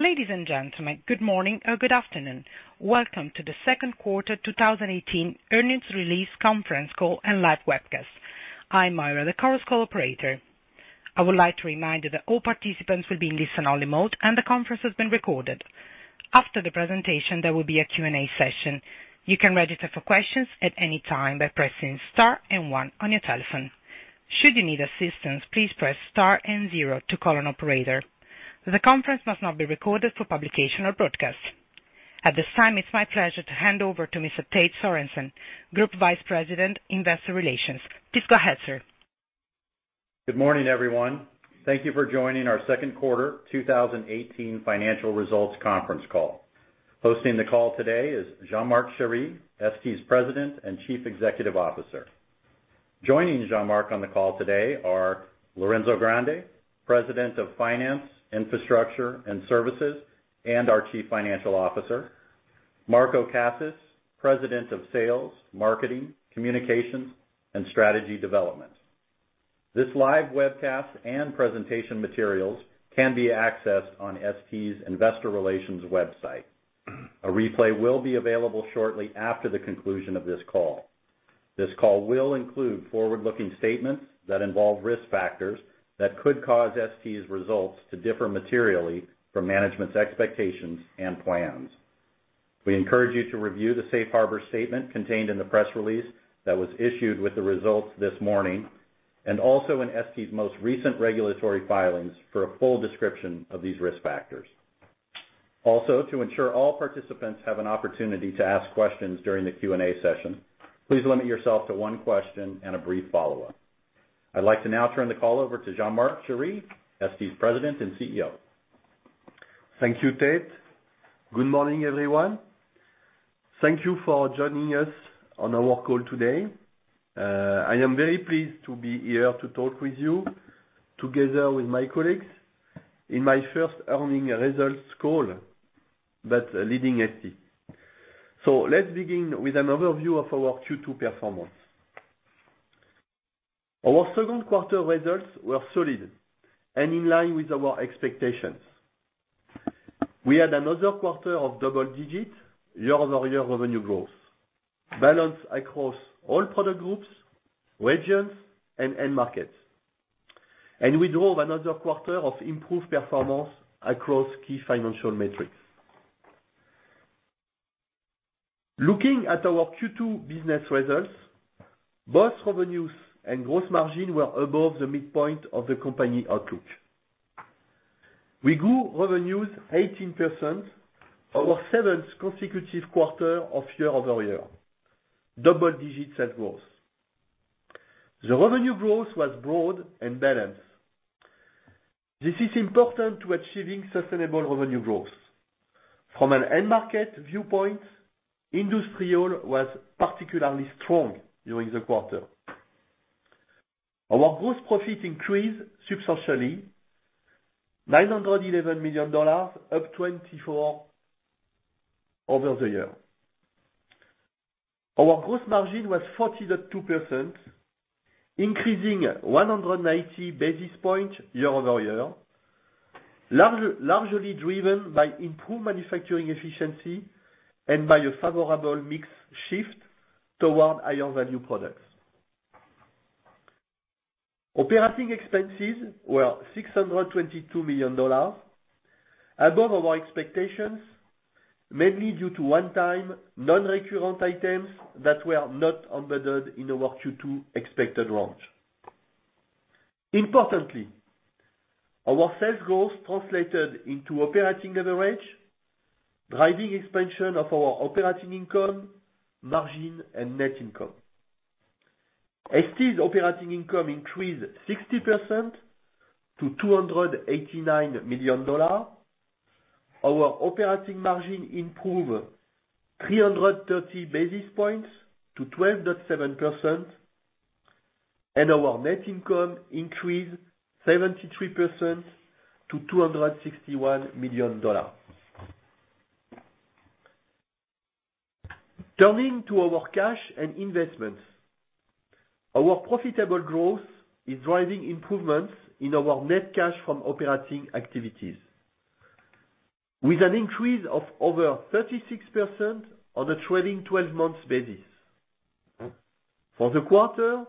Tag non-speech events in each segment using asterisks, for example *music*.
Ladies and gentlemen, good morning or good afternoon. Welcome to the second quarter 2018 earnings release conference call and live webcast. I'm Ira, the conference call operator. I would like to remind you that all participants will be in listen-only mode, and the conference is being recorded. After the presentation, there will be a Q&A session. You can register for questions at any time by pressing star and one on your telephone. Should you need assistance, please press star and zero to call an operator. The conference must not be recorded for publication or broadcast. At this time, it's my pleasure to hand over to Mr. Tait Sorensen, Group Vice President, Investor Relations. Please go ahead, sir. Good morning, everyone. Thank you for joining our second quarter 2018 financial results conference call. Hosting the call today is Jean-Marc Chery, ST's President and Chief Executive Officer. Joining Jean-Marc on the call today are Lorenzo Grandi, President of Finance, Infrastructure, and Services, and our Chief Financial Officer, Marco Cassis, President of Sales, Marketing, Communications, and Strategy Development. This live webcast and presentation materials can be accessed on ST's investor relations website. A replay will be available shortly after the conclusion of this call. This call will include forward-looking statements that involve risk factors that could cause ST's results to differ materially from management's expectations and plans. We encourage you to review the safe harbor statement contained in the press release that was issued with the results this morning, and also in ST's most recent regulatory filings for a full description of these risk factors. Also, to ensure all participants have an opportunity to ask questions during the Q&A session, please limit yourself to one question and a brief follow-up. I'd like to now turn the call over to Jean-Marc Chery, ST's President and CEO. Thank you, Tait. Good morning, everyone. Thank you for joining us on our call today. I am very pleased to be here to talk with you together with my colleagues in my first earnings results call leading ST. Let's begin with an overview of our Q2 performance. Our second quarter results were solid and in line with our expectations. We had another quarter of double-digit year-over-year revenue growth, balanced across all product groups, regions, and end markets. We drove another quarter of improved performance across key financial metrics. Looking at our Q2 business results, both revenues and gross margin were above the midpoint of the company outlook. We grew revenues 18%, our seventh consecutive quarter of year-over-year double-digit sales growth. The revenue growth was broad and balanced. This is important to achieving sustainable revenue growth. From an end market viewpoint, industrial was particularly strong during the quarter. Our gross profit increased substantially, $911 million, up 24% over the year. Our gross margin was 40.2%, increasing 190 basis points year-over-year, largely driven by improved manufacturing efficiency and by a favorable mix shift toward higher-value products. Operating expenses were $622 million, above our expectations, mainly due to one-time non-recurrent items that were not embedded in our Q2 expected range. Importantly, our sales growth translated into operating leverage, driving expansion of our operating income, margin, and net income. ST's operating income increased 60% to $289 million. Our operating margin improved 330 basis points to 12.7%, and our net income increased 73% to $261 million. Turning to our cash and investments, our profitable growth is driving improvements in our net cash from operating activities with an increase of over 36% on a trailing 12-months basis. For the quarter,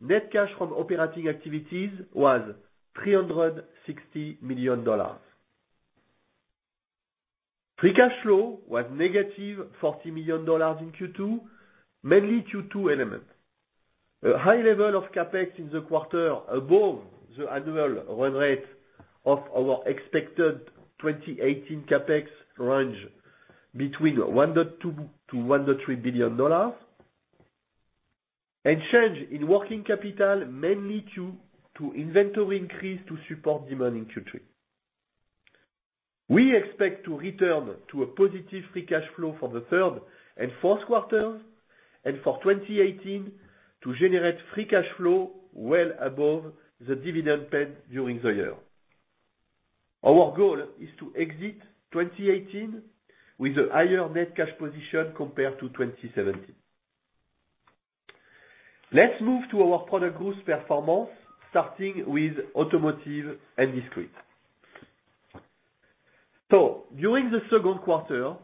net cash from operating activities was $360 million. Free cash flow was negative $40 million in Q2, mainly Q2 elements. A high level of CapEx in the quarter above the annual run rate of our expected 2018 CapEx range between $1.2 billion-$1.3 billion. A change in working capital mainly due to inventory increase to support demand in Q3. We expect to return to a positive free cash flow for the third and fourth quarters and for 2018 to generate free cash flow well above the dividend paid during the year. Our goal is to exit 2018 with a higher net cash position compared to 2017. Let's move to our product groups performance, starting with Automotive and Discrete. During the second quarter,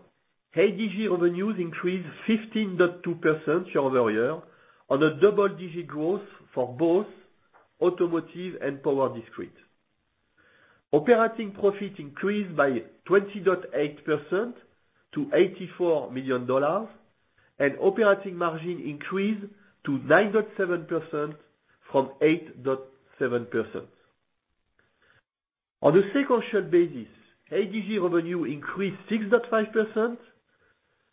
ADG revenues increased 15.2% year-over-year on a double-digit growth for both automotive and power discrete. Operating profit increased by 20.8% to $84 million, and operating margin increased to 9.7% from 8.7%. On a sequential basis, ADG revenue increased 6.5%.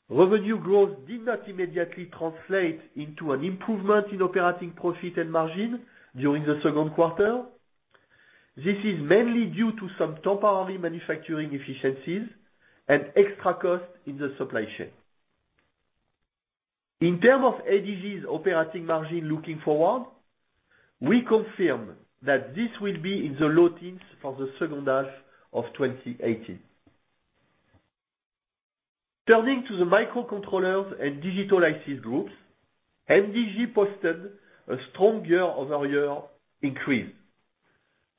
Revenue growth did not immediately translate into an improvement in operating profit and margin during the second quarter. This is mainly due to some temporary manufacturing efficiencies and extra cost in the supply chain. In terms of ADG's operating margin looking forward, we confirm that this will be in the low teens for the second half of 2018. Turning to the Microcontrollers and Digital IC groups, MDG posted a strong year-over-year increase,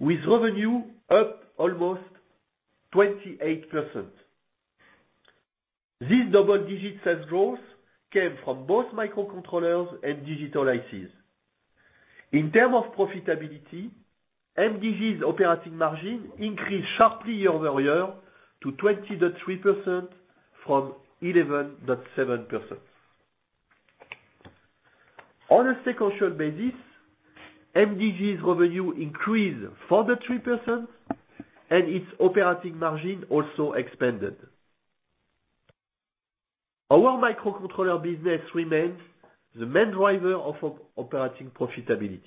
with revenue up almost 28%. This double-digit sales growth came from both microcontrollers and digital ICs. In terms of profitability, MDG's operating margin increased sharply year-over-year to 20.3% from 11.7%. On a sequential basis, MDG's revenue increased 4.3% and its operating margin also expanded. Our microcontroller business remains the main driver of operating profitability.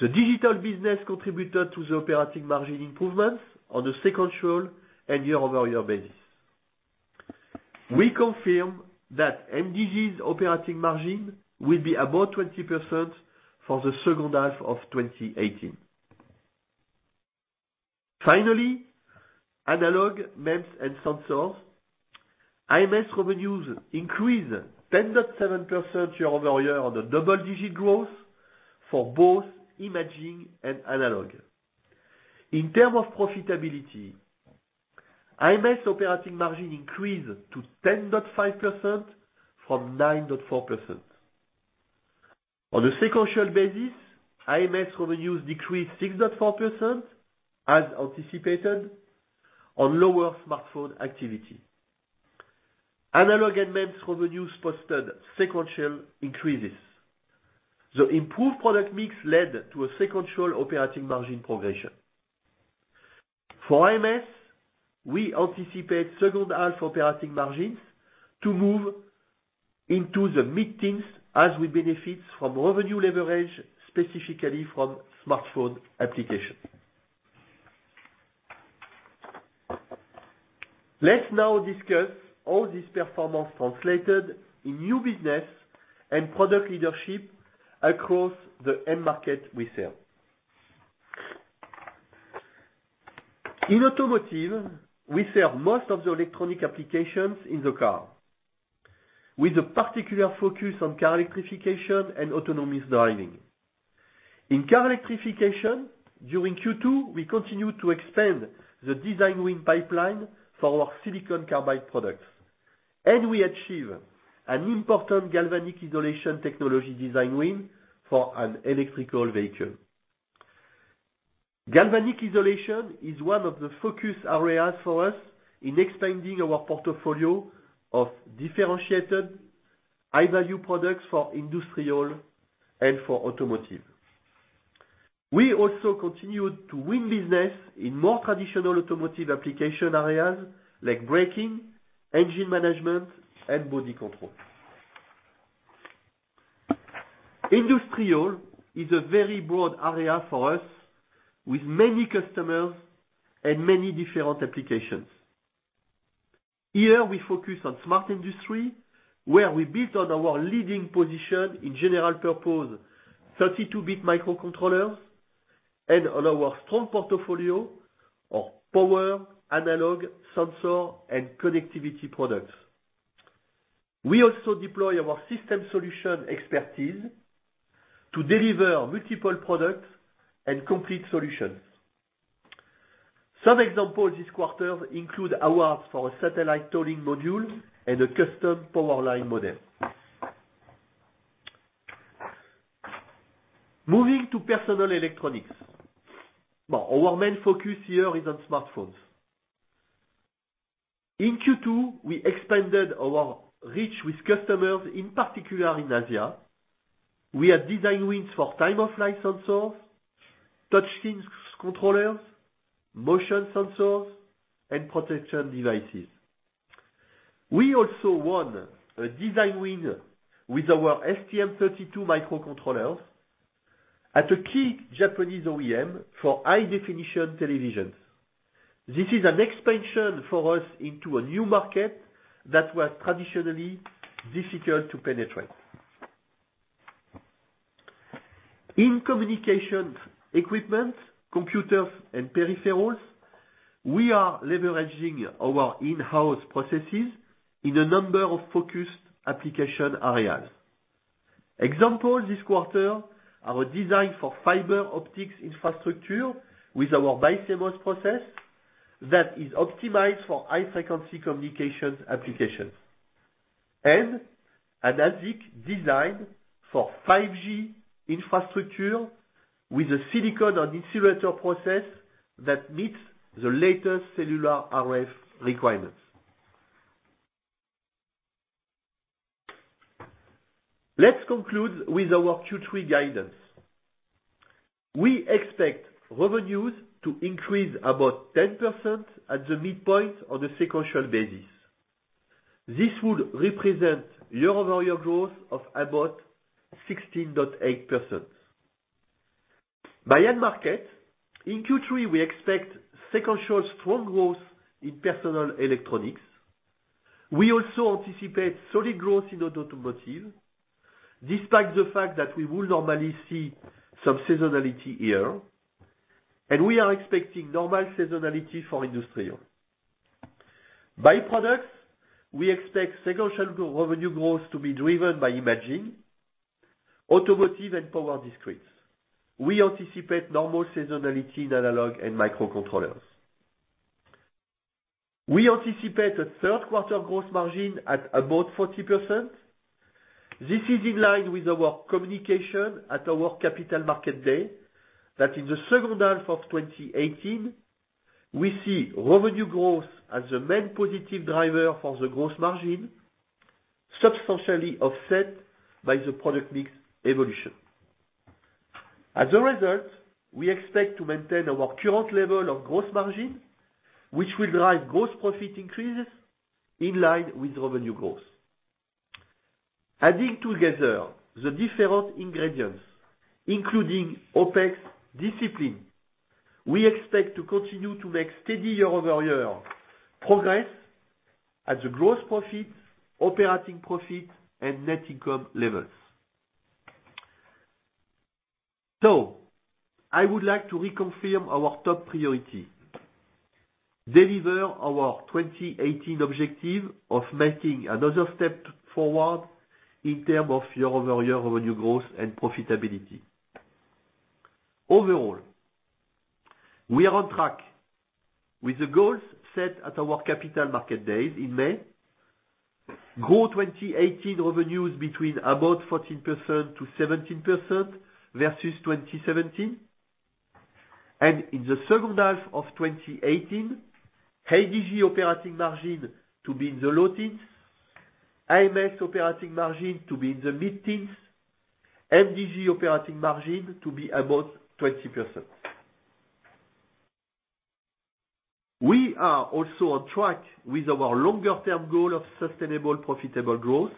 The digital business contributed to the operating margin improvements on the sequential and year-over-year basis. We confirm that MDG's operating margin will be above 20% for the second half of 2018. Finally, Analog, MEMS and Sensors. AMS revenues increased 10.7% year-over-year on the double-digit growth for both imaging and analog. In terms of profitability, AMS operating margin increased to 10.5% from 9.4%. On a sequential basis, AMS revenues decreased 6.4%, as anticipated, on lower smartphone activity. Analog and MEMS revenues posted sequential increases. The improved product mix led to a sequential operating margin progression. For AMS, we anticipate second half operating margins to move into the mid-teens as we benefit from revenue leverage, specifically from smartphone applications. Let's now discuss how this performance translated in new business and product leadership across the end market we sell. In automotive, we sell most of the electronic applications in the car, with a particular focus on car electrification and autonomous driving. In car electrification, during Q2, we continued to expand the design win pipeline for our silicon carbide products, and we achieved an important galvanic isolation technology design win for an electrical vehicle. Galvanic isolation is one of the focus areas for us in expanding our portfolio of differentiated high-value products for industrial and for automotive. We also continued to win business in more traditional automotive application areas like braking, engine management, and body control. Industrial is a very broad area for us with many customers and many different applications. Here, we focus on smart industry, where we build on our leading position in general purpose 32-bit microcontrollers and on our strong portfolio of power, analog, sensor, and connectivity products. We also deploy our system solution expertise to deliver multiple products and complete solutions. Some examples this quarter include awards for a satellite tolling module and a custom powerline modem. Moving to personal electronics. Our main focus here is on smartphones. In Q2, we expanded our reach with customers, in particular in Asia. We have design wins for time-of-flight sensors, touch screens controllers, motion sensors, and protection devices. We also won a design win with our STM32 microcontrollers at a key Japanese OEM for high definition televisions. This is an expansion for us into a new market that was traditionally difficult to penetrate. In communications equipment, computers, and peripherals, we are leveraging our in-house processes in a number of focused application areas. Examples this quarter are designed for fiber optics infrastructure with our BiCMOS process that is optimized for high-frequency communications applications, and an ASIC design for 5G infrastructure with a silicon-on-insulator process that meets the latest cellular RF requirements. Let's conclude with our Q3 guidance. We expect revenues to increase about 10% at the midpoint on a sequential basis. This would represent year-over-year growth of about 16.8%. By end market, in Q3, we expect sequential strong growth in personal electronics. We also anticipate solid growth in automotive, despite the fact that we will normally see some seasonality here, and we are expecting normal seasonality for industrial. By products, we expect sequential revenue growth to be driven by imaging, automotive, and power discretes. We anticipate normal seasonality in analog and microcontrollers. We anticipate a third-quarter gross margin at about 40%. This is in line with our communication at our Capital Markets Day, that in the second half of 2018, we see revenue growth as the main positive driver for the gross margin, substantially offset by the product mix evolution. As a result, we expect to maintain our current level of gross margin, which will drive gross profit increases in line with revenue growth. Adding together the different ingredients, including OPEX discipline, we expect to continue to make steady year-over-year progress at the gross profit, operating profit, and net income levels. I would like to reconfirm our top priority: deliver our 2018 objective of making another step forward in term of year-over-year revenue growth and profitability. Overall, we are on track with the goals set at our Capital Markets Day in May. Grow 2018 revenues between about 14%-17% versus 2017, and in the second half of 2018, ADG operating margin to be in the low teens, AMS operating margin to be in the mid-teens, MDG operating margin to be about 20%. We are also on track with our longer-term goal of sustainable profitable growth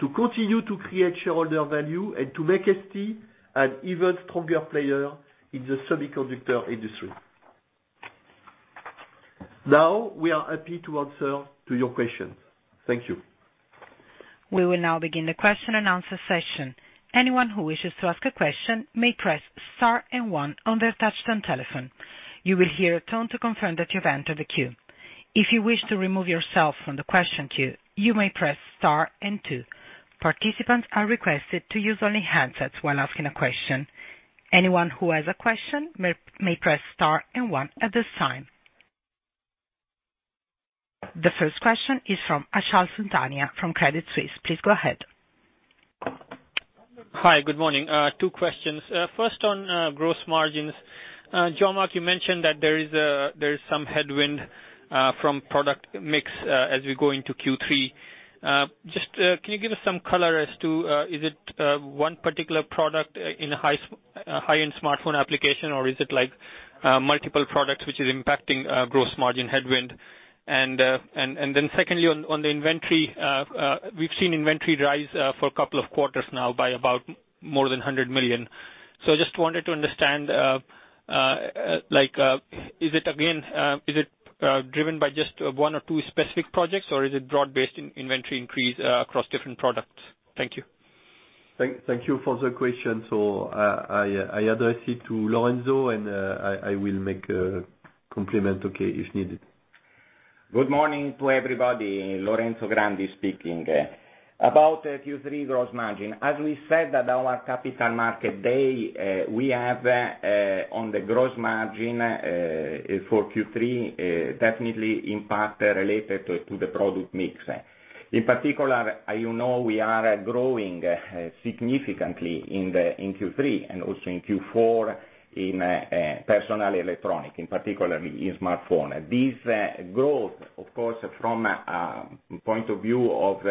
to continue to create shareholder value and to make ST an even stronger player in the semiconductor industry. We are happy to answer to your questions. Thank you. We will now begin the question and answer session. Anyone who wishes to ask a question may press Star and One on their touchtone telephone. You will hear a tone to confirm that you've entered the queue. If you wish to remove yourself from the question queue, you may press Star and Two. Participants are requested to use only handsets when asking a question. Anyone who has a question may press Star and One at this time. The first question is from Achal Sultania from Credit Suisse. Please go ahead. Hi. Good morning. Two questions. First, on gross margins. Jean-Marc, you mentioned that there is some headwind from product mix as we go into Q3. Can you give us some color as to, is it one particular product in a high-end smartphone application, or is it multiple products which is impacting gross margin headwind? Secondly, on the inventory, we've seen inventory rise for a couple of quarters now by about more than $100 million. I just wanted to understand, is it driven by just one or two specific projects, or is it broad-based inventory increase across different products? Thank you. Thank you for the question. I address it to Lorenzo, and I will make a compliment, okay, if needed. Good morning to everybody, Lorenzo Grandi speaking. About Q3 gross margin, as we said at our Capital Markets Day, we have on the gross margin for Q3, definitely in part related to the product mix. In particular, you know we are growing significantly in Q3 and also in Q4 in personal electronic, in particular in smartphone. This growth, of course, from a point of view of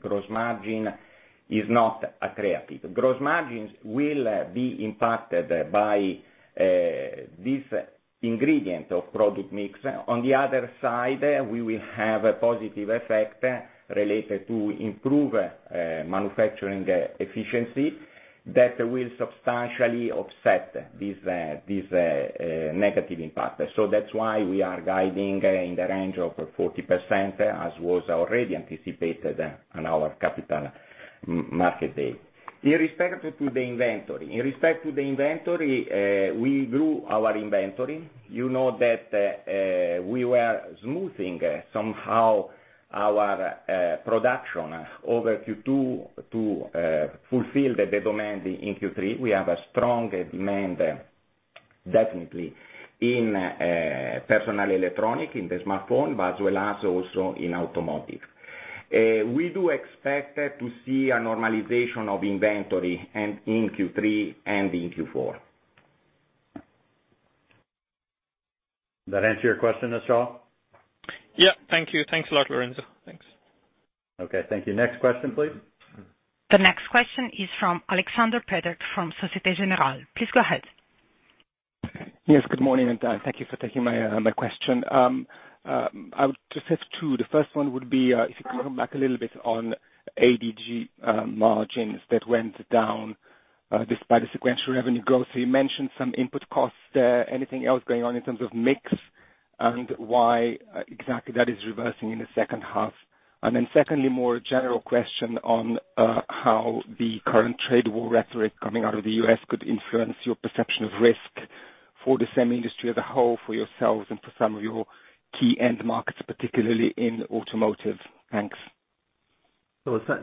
gross margin is not accretive. Gross margins will be impacted by this ingredient of product mix. On the other side, we will have a positive effect related to improve manufacturing efficiency that will substantially offset this negative impact. That's why we are guiding in the range of 40%, as was already anticipated on our Capital Markets Day. In respect to the inventory, we grew our inventory. You know we were smoothing somehow our production over Q2 to fulfill the demand in Q3. We have a strong demand definitely in personal electronic, in the smartphone, but as well as also in automotive. We do expect to see a normalization of inventory and in Q3 and in Q4. That answer your question, Achal Sultania? Yeah. Thank you. Thanks a lot, Lorenzo. Thanks. Okay. Thank you. Next question, please. The next question is from Alexandre Faure from Societe Generale. Please go ahead. Yes, good morning, thank you for taking my question. I would just have two. The first one would be, if you can come back a little bit on ADG margins that went down, despite the sequential revenue growth. You mentioned some input costs. Anything else going on in terms of mix and why exactly that is reversing in the second half? Then secondly, more general question on how the current trade war rhetoric coming out of the U.S. could influence your perception of risk for the semi industry as a whole, for yourselves, and for some of your key end markets, particularly in automotive. Thanks.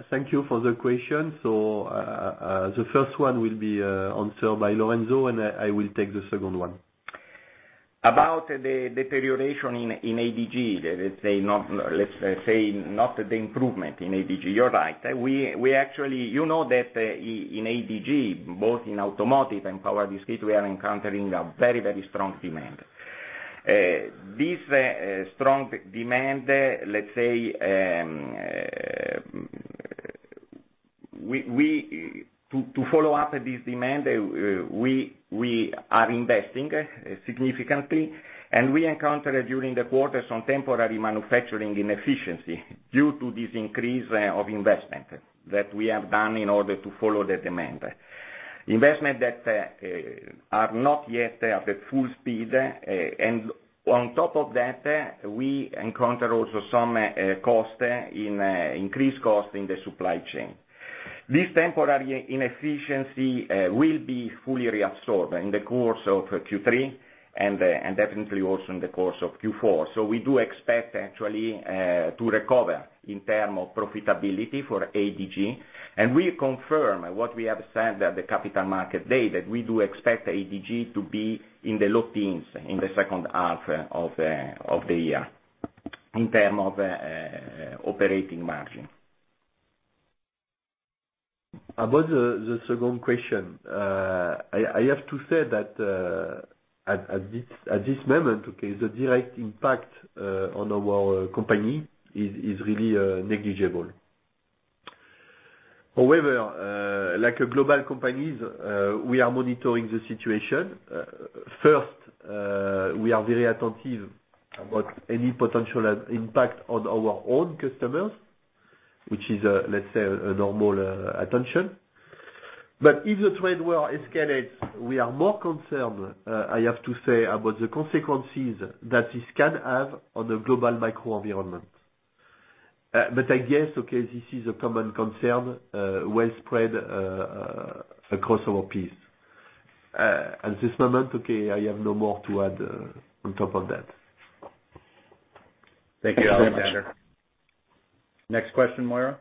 Thank you for the question. The first one will be answered by Lorenzo, I will take the second one. About the deterioration in ADG, let's say not the improvement in ADG. You're right. You know that in ADG, both in automotive and power discrete, we are encountering a very strong demand. To follow up this demand, we are investing significantly, and we encounter during the quarter some temporary manufacturing inefficiency due to this increase of investment that we have done in order to follow the demand. Investment that are not yet at a full speed. On top of that, we encounter also some increased cost in the supply chain. This temporary inefficiency will be fully reabsorbed in the course of Q3 and definitely also in the course of Q4. We do expect actually to recover in term of profitability for ADG, and we confirm what we have said at the Capital Markets Day, that we do expect ADG to be in the low teens in the second half of the year in term of operating margin. About the second question. I have to say that at this moment, okay, the direct impact on our company is really negligible. However, like global companies, we are monitoring the situation. First, we are very attentive about any potential impact on our own customers, which is, let's say, a normal attention. If the trade war escalates, we are more concerned, I have to say, about the consequences that this can have on the global microenvironment. I guess, okay, this is a common concern widespread across our piece. At this moment, okay, I have no more to add on top of that. Thank you, Alexandre. Next question, Ira.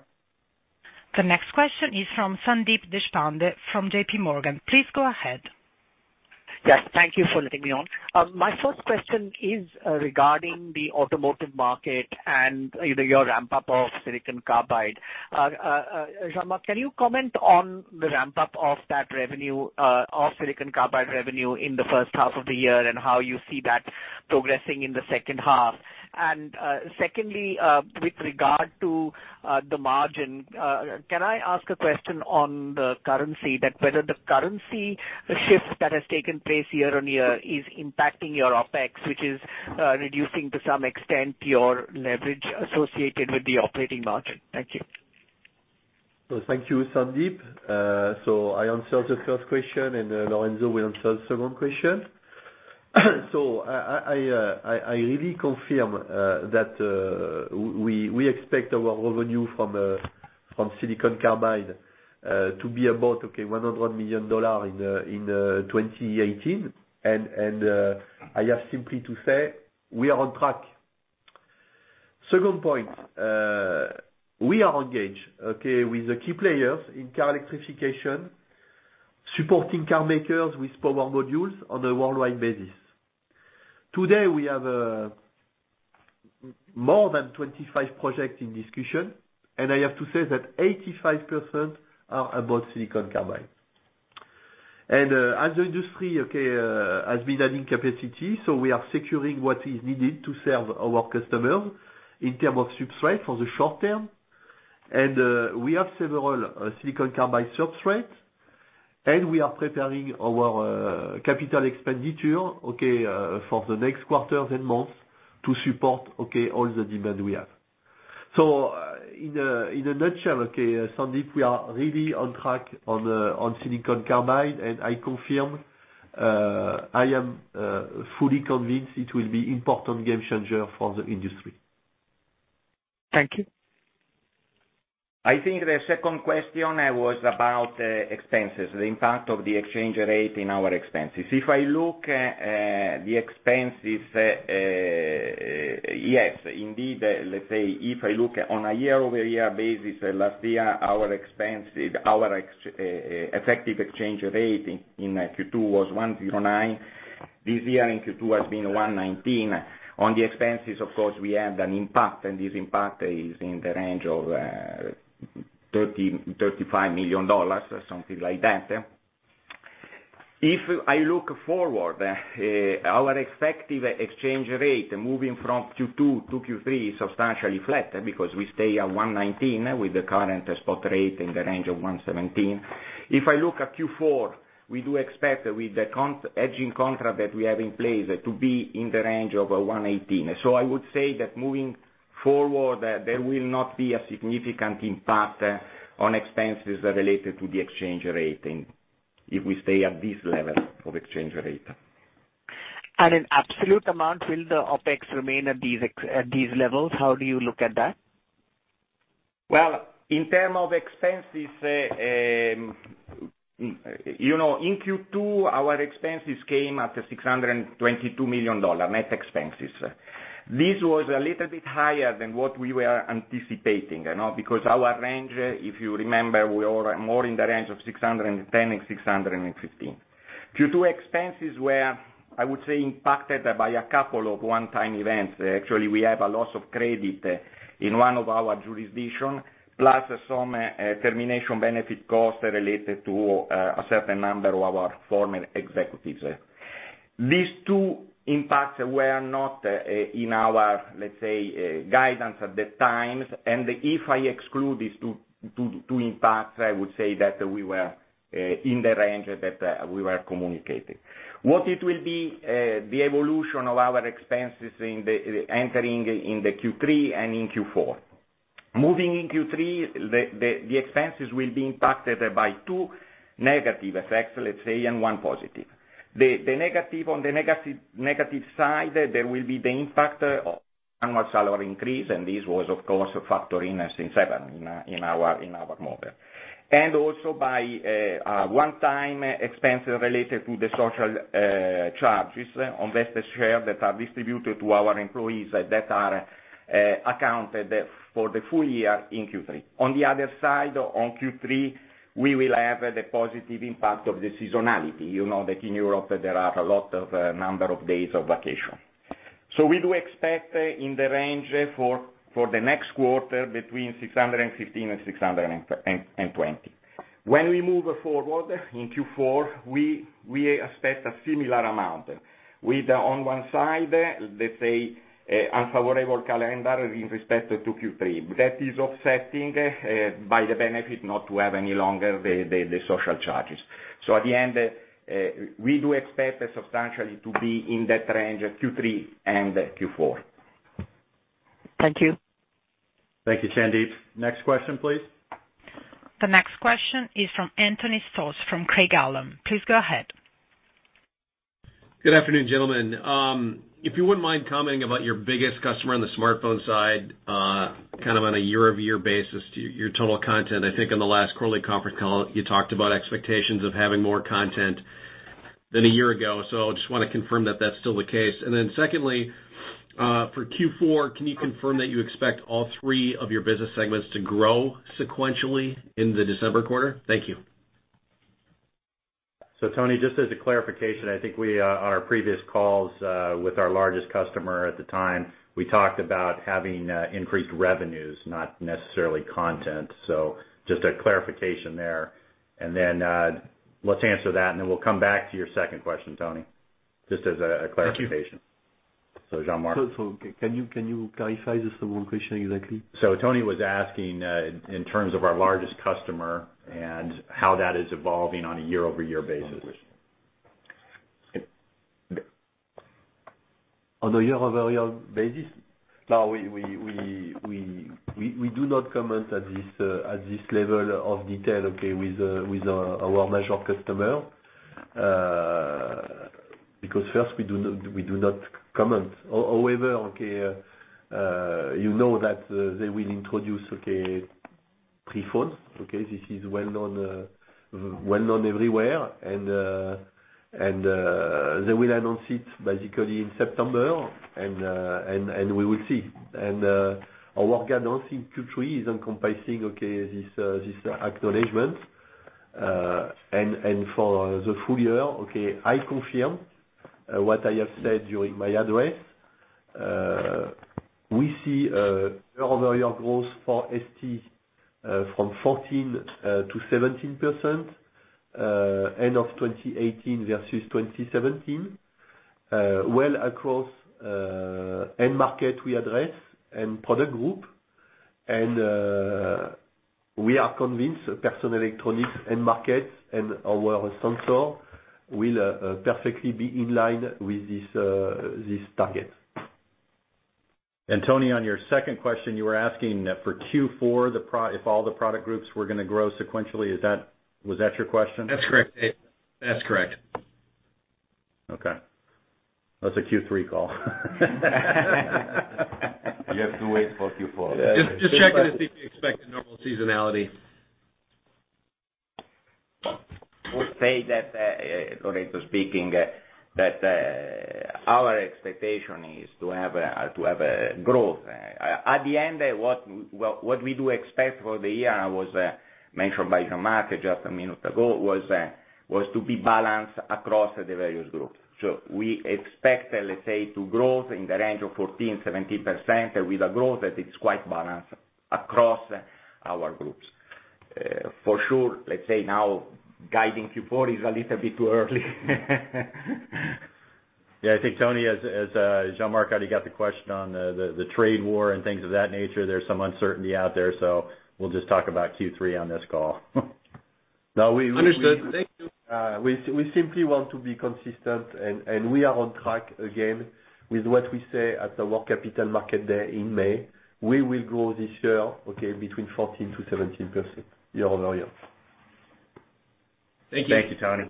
The next question is from Sandip Deshpande from JPMorgan. Please go ahead. Yes, thank you for letting me on. My first question is regarding the automotive market and either your ramp-up of silicon carbide. Jean-Marc, can you comment on the ramp-up of silicon carbide revenue in the first half of the year, and how you see that progressing in the second half? Secondly, with regard to the margin, can I ask a question on the currency that whether the currency shift that has taken place year-on-year is impacting your OpEx, which is reducing to some extent your leverage associated with the operating margin? Thank you. Thank you, Sandip. I answer the first question, and Lorenzo will answer the second question. I really confirm that we expect our revenue from silicon carbide to be about, okay, $100 million in 2018. I have simply to say, we are on track. Second point. We are engaged, okay, with the key players in car electrification, supporting car makers with power modules on a worldwide basis. Today, we have more than 25 projects in discussion, I have to say that 85% are about silicon carbide. As the industry, okay, has been adding capacity, we are securing what is needed to serve our customers in term of substrate for the short term. We have several silicon carbide substrates, and we are preparing our capital expenditure, okay, for the next quarters and months to support, okay, all the demand we have. In a nutshell, okay, Sandip, we are really on track on silicon carbide, I confirm, I am fully convinced it will be important game changer for the industry. Thank you I think the second question was about expenses, the impact of the exchange rate in our expenses. If I look at the expenses, yes, indeed, let's say if I look on a year-over-year basis, last year, our effective exchange rate in Q2 was 109. This year in Q2 has been 119. On the expenses, of course, we had an impact, and this impact is in the range of $35 million or something like that. If I look forward, our effective exchange rate moving from Q2 to Q3 is substantially flat because we stay at 119 with the current spot rate in the range of 117. If I look at Q4, we do expect with the hedging contract that we have in place to be in the range of 118. I would say that moving forward, there will not be a significant impact on expenses related to the exchange rate if we stay at this level of exchange rate. At an absolute amount, will the OPEX remain at these levels? How do you look at that? Well, in terms of expenses, in Q2, our expenses came at $622 million, net expenses. This was a little bit higher than what we were anticipating. Our range, if you remember, we were more in the range of $610 million and $615 million. Q2 expenses were, I would say, impacted by a couple of one-time events. Actually, we have a loss of credit in one of our jurisdiction, plus some termination benefit costs related to a certain number of our former executives. These two impacts were not in our, let's say, guidance at the time. If I exclude these two impacts, I would say that we were in the range that we were communicating. What it will be, the evolution of our expenses entering in the Q3 and in Q4. Moving in Q3, the expenses will be impacted by two negative effects, let's say, and one positive. On the negative side, there will be the impact of annual salary increase. This was of course a factor in. *inaudible* Also by a one-time expense related to the social charges on vested share that are distributed to our employees that are accounted for the full year in Q3. On the other side, on Q3, we will have the positive impact of the seasonality. You know that in Europe, there are a lot of number of days of vacation. We do expect in the range for the next quarter between $615 million and $620 million. When we move forward in Q4, we expect a similar amount with, on one side, let's say, unfavorable calendar in respect to Q3, that is offsetting by the benefit not to have any longer the social charges. At the end, we do expect substantially to be in that range Q3 and Q4. Thank you. Thank you, Sandip. Next question, please. The next question is from Anthony Stoss from Craig-Hallum. Please go ahead. Good afternoon, gentlemen. If you wouldn't mind commenting about your biggest customer on the smartphone side, on a year-over-year basis to your total content. I think in the last quarterly conference call, you talked about expectations of having more content than a year ago. I just want to confirm that that's still the case. Secondly, for Q4, can you confirm that you expect all three of your business segments to grow sequentially in the December quarter? Thank you. Tony, just as a clarification, I think on our previous calls with our largest customer at the time, we talked about having increased revenues, not necessarily content. Just a clarification there, and then let's answer that, and then we'll come back to your second question, Tony, just as a clarification. Thank you. Jean-Marc? Can you clarify this first question exactly? Tony was asking in terms of our largest customer and how that is evolving on a year-over-year basis. On a year-over-year basis? No, we do not comment at this level of detail with our major customer. First, we do not comment. However, you know that they will introduce three phones. This is well-known everywhere. They will announce it basically in September, and we will see. Our guidance in Q3 is encompassing this acknowledgment. For the full year, I confirm what I have said during my address. We see a year-over-year growth for ST from 14%-17%, end of 2018 versus 2017, well across end market we address and product group. We are convinced personal electronics end markets and our sensor will perfectly be in line with this target. Tony, on your second question, you were asking for Q4, if all the product groups were gonna grow sequentially. Was that your question? That's correct. Okay. That's a Q3 Crolles. You have to wait for Q4. Just checking to see if you expect a normal seasonality. Would say that, Lorenzo speaking, that our expectation is to have growth. At the end, what we do expect for the year was mentioned by Jean-Marc just a minute ago, was to be balanced across the various groups. We expect, let's say, to grow in the range of 14%-17%, with a growth that is quite balanced across our groups. For sure, let's say now guiding Q4 is a little bit too early. Yeah, I think, Tony, as Jean-Marc already got the question on the trade war and things of that nature, there's some uncertainty out there, we'll just talk about Q3 on this Crolles. No, we- Understood. Thank you. We simply want to be consistent and we are on track again with what we say at our Capital Markets Day in May. We will grow this year, okay, between 14%-17% year-over-year. Thank you. Thank you, Tony.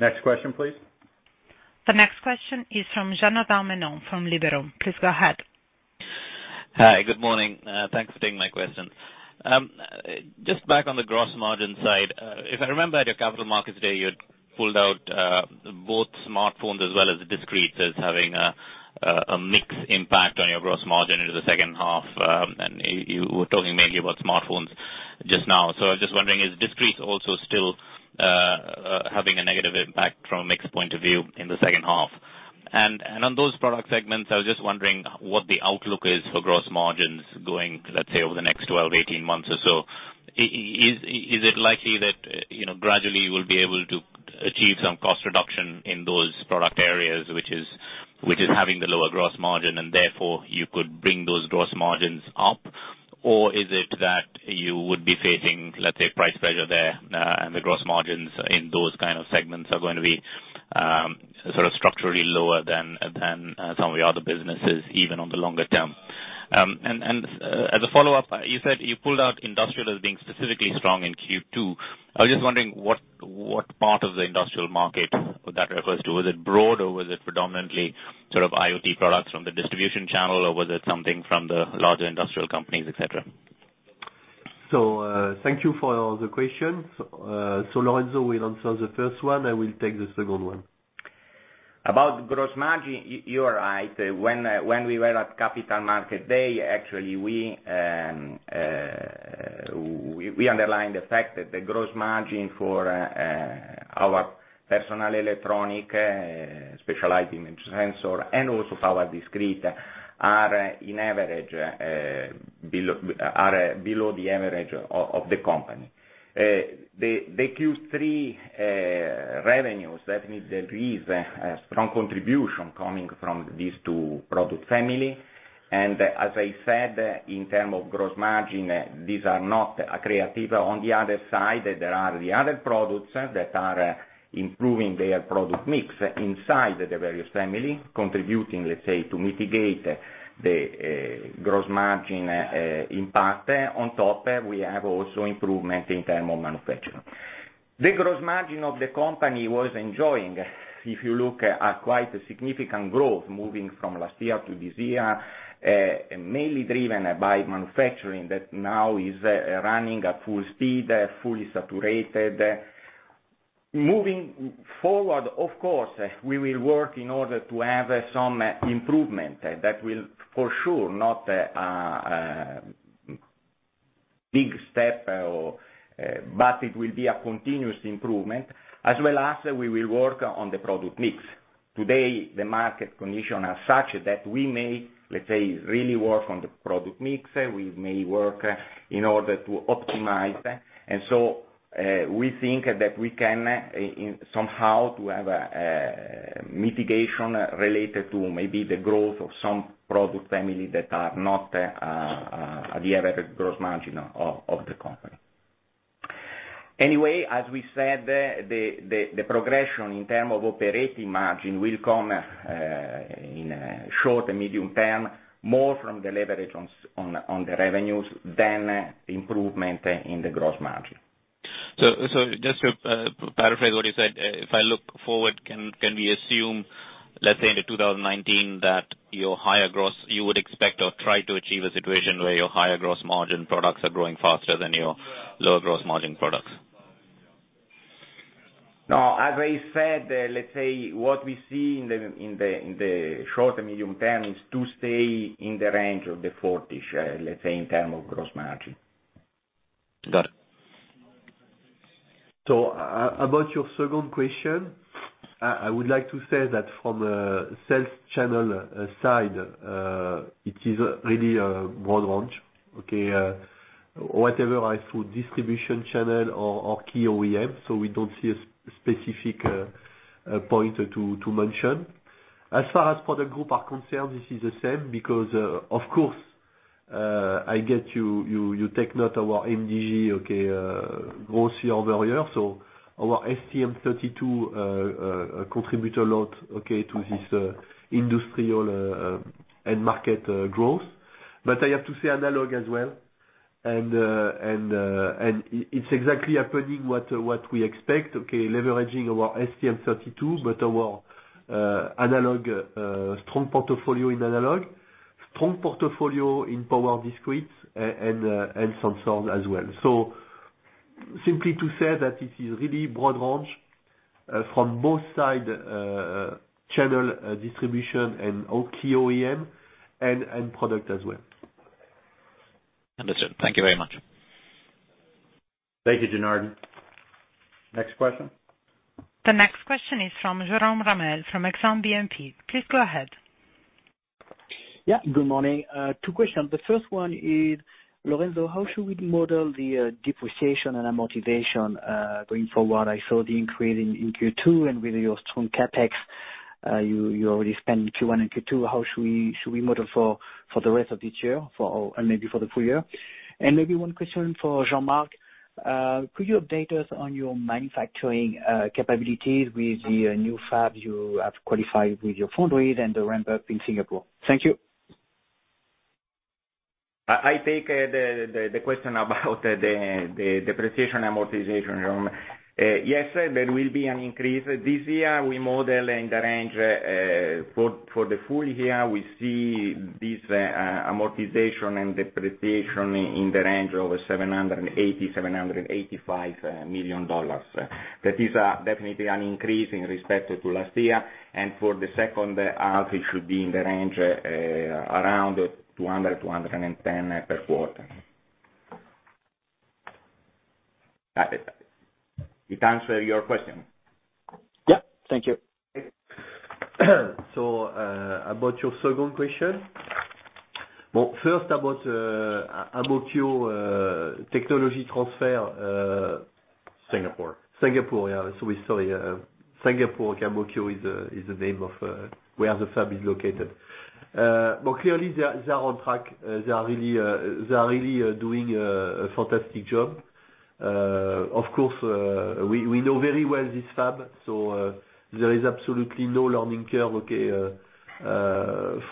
Next question, please. The next question is from Janardan Menon from Liberum. Please go ahead. Hi. Good morning. Thanks for taking my question. Just back on the gross margin side. If I remember at your Capital Markets Day, you had pulled out both smartphones as well as discretes as having a mixed impact on your gross margin into the second half, and you were talking mainly about smartphones just now. I was just wondering, is discrete also still having a negative impact from a mixed point of view in the second half? On those product segments, I was just wondering what the outlook is for gross margins going, let's say, over the next 12 to 18 months or so. Is it likely that gradually you will be able to achieve some cost reduction in those product areas, which is having the lower gross margin and therefore you could bring those gross margins up? Is it that you would be facing, let's say, price pressure there, and the gross margins in those kind of segments are going to be structurally lower than some of your other businesses, even on the longer term? As a follow-up, you said you pulled out industrial as being specifically strong in Q2. I was just wondering what part of the industrial market would that refers to? Is it broad or was it predominantly IoT products from the distribution channel, or was it something from the larger industrial companies, et cetera? Thank you for the question. Lorenzo will answer the first one, I will take the second one. About gross margin, you are right. When we were at Capital Markets Day, actually, we underlined the fact that the gross margin for our personal electronic, specialized image sensor, and also power discrete are below the average of the company. The Q3 revenues, that means there is a strong contribution coming from these two product family. As I said, in terms of gross margin, these are not accretive. On the other side, there are the other products that are improving their product mix inside the various family, contributing, let's say, to mitigate the gross margin impact. On top, we have also improvement in terms of manufacturing. The gross margin of the company was enjoying, if you look at quite a significant growth moving from last year to this year, mainly driven by manufacturing that now is running at full speed, fully saturated. Moving forward, of course, we will work in order to have some improvement. That will for sure not a big step, but it will be a continuous improvement, as well as we will work on the product mix. Today, the market conditions are such that we may, let's say, really work on the product mix. We may work in order to optimize. We think that we can, somehow, have a mitigation related to maybe the growth of some product family that are not the average gross margin of the company. Anyway, as we said, the progression in terms of operating margin will come, in short and medium term, more from the leverage on the revenues than improvement in the gross margin. Just to paraphrase what you said, if I look forward, can we assume, let's say in the 2019, that you would expect or try to achieve a situation where your higher gross margin products are growing faster than your lower gross margin products? No, as I said, let's say what we see in the short and medium term is to stay in the range of the forty-ish, let's say, in terms of gross margin. Got it. About your second question, I would like to say that from a sales channel side, it is really a broad range. Okay. Whatever I put, distribution channel or key OEM. We don't see a specific point to mention. As far as product group are concerned, this is the same because, of course, I get you take note our MDG growth year-over-year. Our STM32 contribute a lot to this industrial end market growth. I have to say analog as well. It's exactly happening what we expect, okay. Leveraging our STM32, but our strong portfolio in analog, strong portfolio in power discrete, and sensors as well. Simply to say that it is really broad range from both sides, channel distribution and key OEM, and product as well. Understood. Thank you very much. Thank you, Janardan. Next question. The next question is from Jerome Ramel, from Exane BNP. Please go ahead. Yeah. Good morning. Two questions. The first one is, Lorenzo, how should we model the depreciation and amortization, going forward? I saw the increase in Q2. With your strong CapEx, you already spent Q1 and Q2. How should we model for the rest of this year, and maybe for the full year? Maybe one question for Jean-Marc. Could you update us on your manufacturing capabilities with the new fabs you have qualified with your foundry and the ramp-up in Singapore? Thank you. I take the question about the depreciation amortization, Jerome. Yes, there will be an increase. This year, we model in the range, for the full year, we see this amortization and depreciation in the range of $780 million, $785 million. That is definitely an increase in respect to last year. For the second half, it should be in the range around $200, $210 per quarter. It answer your question? Yeah. Thank you. About your second question. First about Amkor technology transfer. Singapore. Singapore. Sorry, Singapore. Amkor is the name of where the fab is located. Clearly, they are on track. They are really doing a fantastic job. Of course, we know very well this fab, there is absolutely no learning curve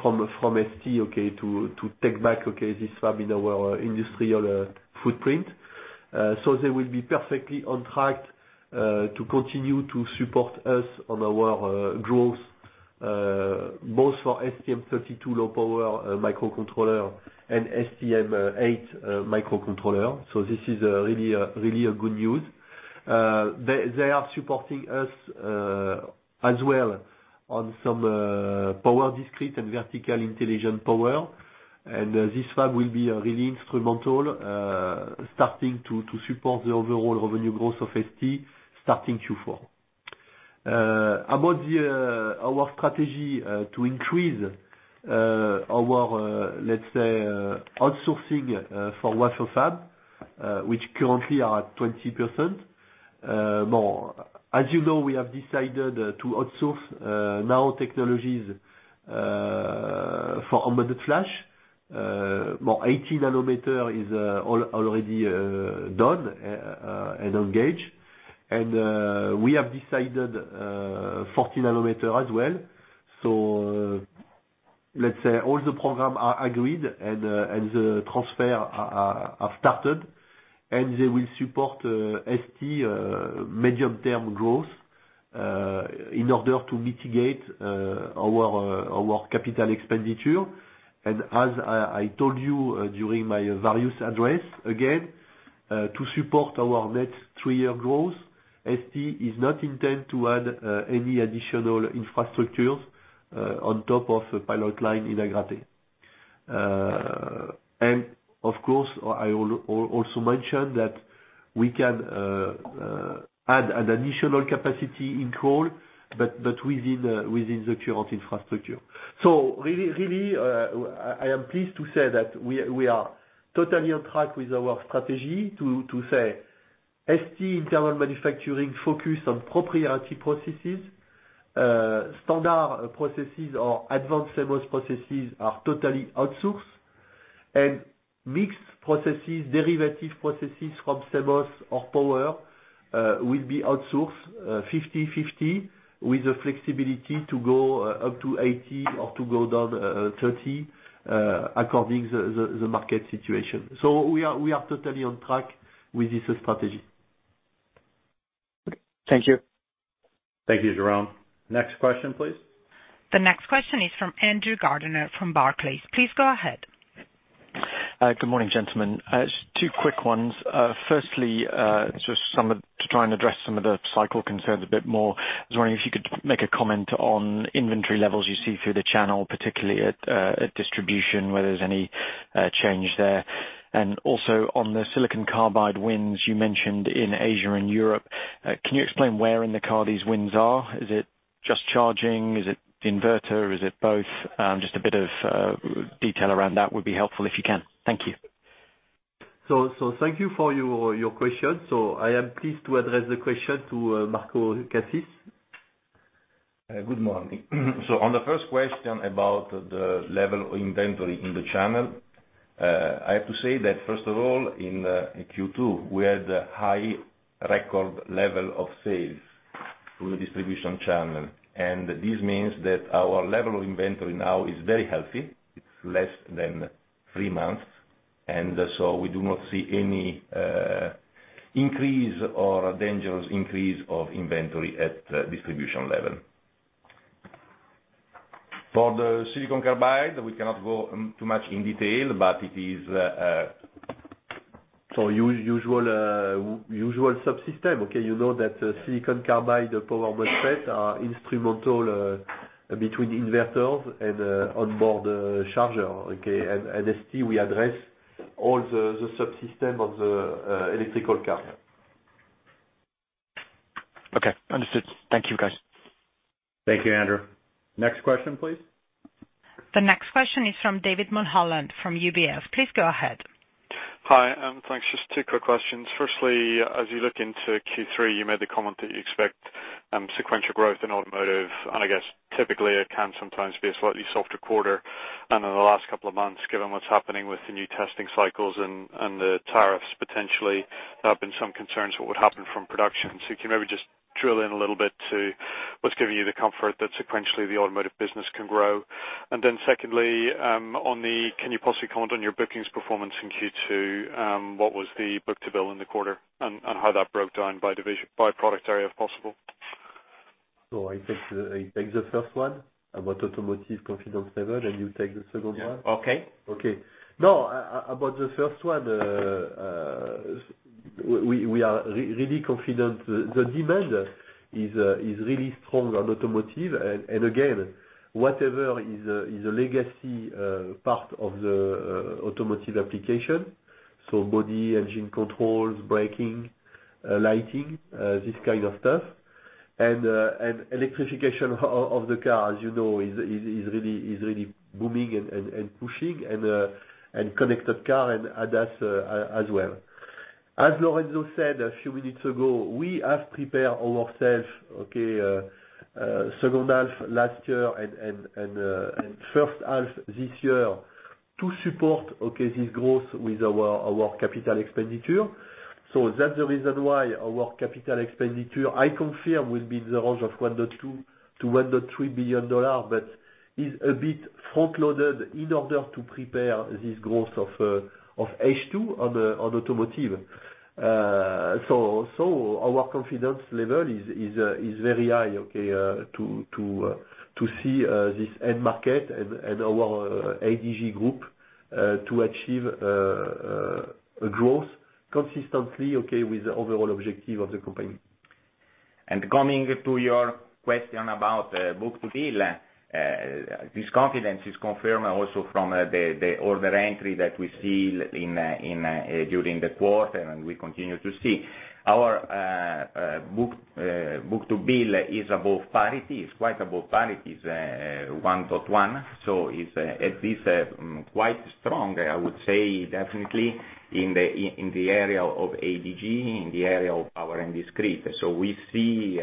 from ST to take back this fab in our industrial footprint. They will be perfectly on track to continue to support us on our growth, both for STM32 low power microcontroller and STM8 microcontroller. This is really a good news. They are supporting us as well on some power discrete and Vertical Intelligent Power. This fab will be really instrumental, starting to support the overall revenue growth of ST starting Q4. About our strategy to increase our, let's say, outsourcing for wafer fab, which currently are at 20%. As you know, we have decided to outsource now technologies for embedded flash. 80 nanometer is already done and engaged. We have decided 40 nanometer as well. Let's say all the program are agreed, the transfer have started, and they will support ST medium-term growth, in order to mitigate our capital expenditure. As I told you during my various address, again, to support our next three-year growth, ST is not intend to add any additional infrastructures on top of pilot line in Agrate. Of course, I will also mention that we can add an additional capacity in Crolles, but within the current infrastructure. Really, I am pleased to say that we are totally on track with our strategy to say, ST internal manufacturing focus on proprietary processes. Standard processes or advanced CMOS processes are totally outsourced. Mixed processes, derivative processes from CMOS or power, will be outsourced 50/50, with the flexibility to go up to 80 or to go down 30, according the market situation. We are totally on track with this strategy. Thank you. Thank you, Jérôme. Next question, please. The next question is from Andrew Gardiner from Barclays. Please go ahead. Good morning, gentlemen. Just two quick ones. Firstly, just to try and address some of the cycle concerns a bit more. I was wondering if you could make a comment on inventory levels you see through the channel, particularly at distribution, whether there's any change there. Also on the silicon carbide wins you mentioned in Asia and Europe, can you explain where in the car these wins are? Is it just charging? Is it inverter? Is it both? Just a bit of detail around that would be helpful, if you can. Thank you. Thank you for your question. I am pleased to address the question to Marco Cassis. Good morning. On the first question about the level of inventory in the channel, I have to say that first of all, in Q2, we had high record level of sales Through the distribution channel. This means that our level of inventory now is very healthy. It's less than three months, we do not see any increase or dangerous increase of inventory at distribution level. For the silicon carbide, we cannot go too much in detail, but it is usual subsystem. Okay. You know that silicon carbide power modules are instrumental between inverters and onboard charger. Okay. At ST, we address all the subsystem of the electrical car. Okay. Understood. Thank you, guys. Thank you, Andrew. Next question, please. The next question is from David Mulholland from UBS. Please go ahead. Hi, thanks. Just two quick questions. Firstly, as you look into Q3, you made the comment that you expect sequential growth in automotive. I guess typically it can sometimes be a slightly softer quarter. In the last couple of months, given what's happening with the new testing cycles and the tariffs potentially, there have been some concerns what would happen from production. Can you maybe just drill in a little bit to what's giving you the comfort that sequentially the automotive business can grow? Secondly, can you possibly comment on your bookings performance in Q2? What was the book-to-bill in the quarter and how that broke down by product area, if possible? I take the first one about automotive confidence level. You take the second one? Yeah. Okay. About the first one, we are really confident. The demand is really strong on automotive and again, whatever is a legacy part of the automotive application. Body, engine controls, braking, lighting, this kind of stuff. Electrification of the car, as you know, is really booming and pushing, and connected car and ADAS as well. As Lorenzo said a few minutes ago, we have prepared ourself, okay, second half last year and first half this year to support, okay, this growth with our capital expenditure. That's the reason why our capital expenditure, I confirm, will be in the range of $1.2 billion-$1.3 billion, but is a bit front-loaded in order to prepare this growth of H2 on automotive. Our confidence level is very high, okay, to see this end market and our ADG group, to achieve a growth consistently, okay, with the overall objective of the company. Coming to your question about book-to-bill, this confidence is confirmed also from the order entry that we see during the quarter and we continue to see. Our book-to-bill is above parity. It's quite above parity. It's one to one. It is quite strong, I would say, definitely in the area of ADG, in the area of power and discrete. We see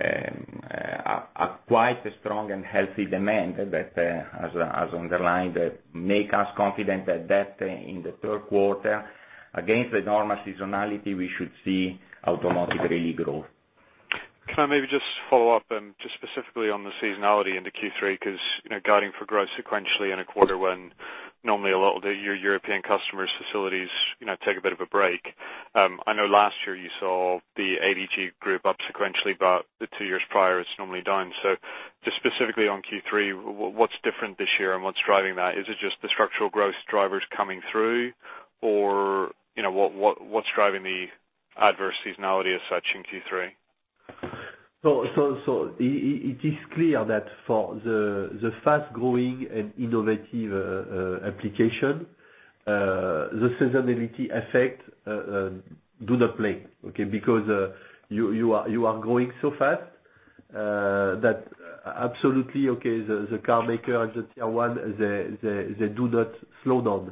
actually, a quite strong and healthy demand that, as underlined, make us confident that in the third quarter, against the normal seasonality, we should see automotive really grow. Can I maybe just follow up, just specifically on the seasonality into Q3, because guiding for growth sequentially in a quarter when normally a lot of your European customers, facilities take a bit of a break. I know last year you saw the ADG Group up sequentially, but the two years prior, it's normally down. Just specifically on Q3, what's different this year and what's driving that? Is it just the structural growth drivers coming through, or what's driving the adverse seasonality as such in Q3? It is clear that for the fast-growing and innovative application, the seasonality effect do not play, okay, because you are growing so fast that absolutely, okay, the car maker and the tier 1, they do not slow down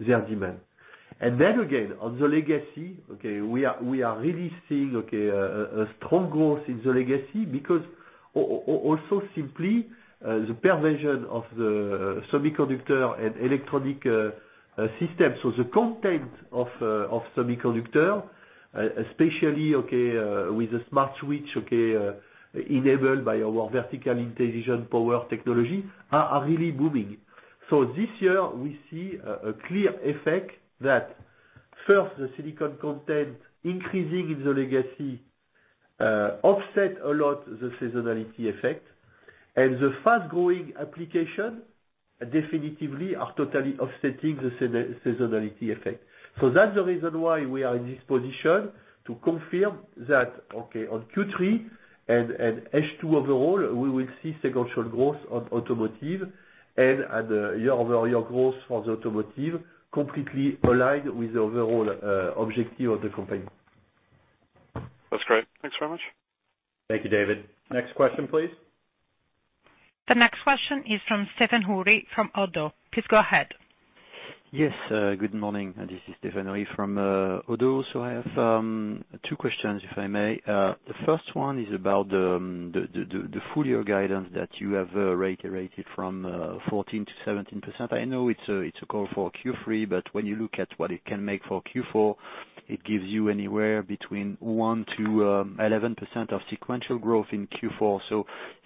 their demand. Again, on the legacy, okay, we are really seeing a strong growth in the legacy because also simply, the pervasion of the semiconductor and electronic system. The content of semiconductor, especially, okay, with a smart switch, okay, enabled by our Vertical Intelligent Power technology, are really booming. This year, we see a clear effect that first, the silicon content increasing in the legacy, offset a lot the seasonality effect. The fast-growing application definitively are totally offsetting the seasonality effect. That's the reason why we are in this position to confirm that, okay, on Q3 and H2 overall, we will see sequential growth on automotive and a year-over-year growth for the automotive completely aligned with the overall objective of the company. That's great. Thanks very much. Thank you, David. Next question, please. The next question is from Stéphane Houri from Oddo BHF. Please go ahead. Yes, good morning. This is Stéphane Houri from Oddo BHF. I have two questions, if I may. The first one is about the full-year guidance that you have reiterated from 14%-17%. I know it's a call for Q3, but when you look at what it can make for Q4 It gives you anywhere between 1%-11% of sequential growth in Q4.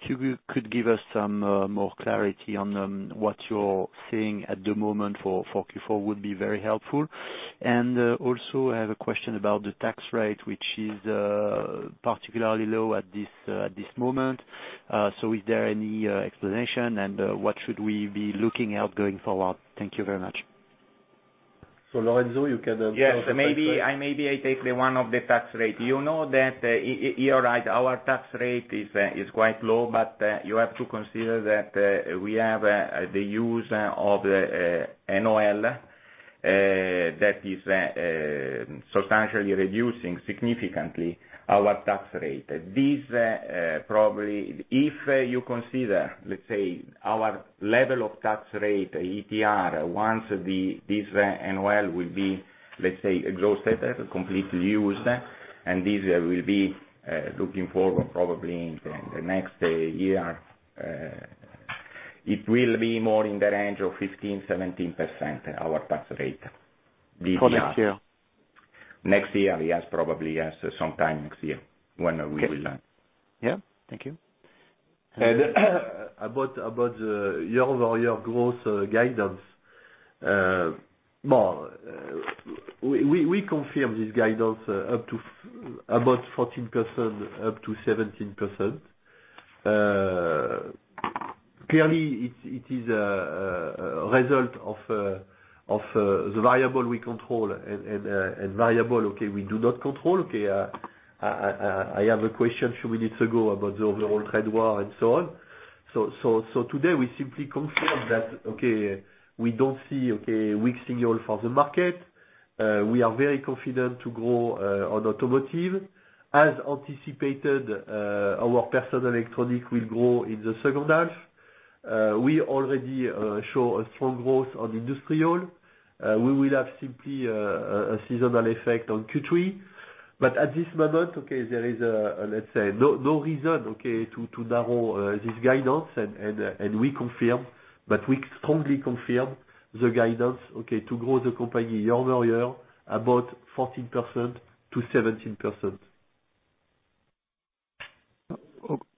If you could give us some more clarity on what you're seeing at the moment for Q4 would be very helpful. Also, I have a question about the tax rate, which is particularly low at this moment. Is there any explanation, and what should we be looking at going forward? Thank you very much. Lorenzo, you can Yes. Maybe I take the one of the tax rate. You know that, you are right, our tax rate is quite low, but you have to consider that we have the use of NOL that is substantially reducing significantly our tax rate. If you consider, let's say our level of tax rate, ETR, once this NOL will be, let's say exhausted, completely used, and this will be looking forward probably in the next year. It will be more in the range of 15%-17% our tax rate. This year. For next year? Next year, yes. Probably, yes, sometime next year when we will learn. Okay. Yeah. Thank you. About year-over-year growth guidance. We confirm this guidance up to about 14% to 17%. Clearly, it is a result of the variable we control and variable we do not control. I have a question a few minutes ago about the overall trade war and so on. Today we simply confirm that we don't see weak signal for the market. We are very confident to grow on automotive. As anticipated, our personal electronic will grow in the second half. We already show a strong growth on industrial. We will have simply a seasonal effect on Q3. At this moment, there is no reason to narrow this guidance. We confirm, we strongly confirm the guidance to grow the company year-over-year about 14% to 17%.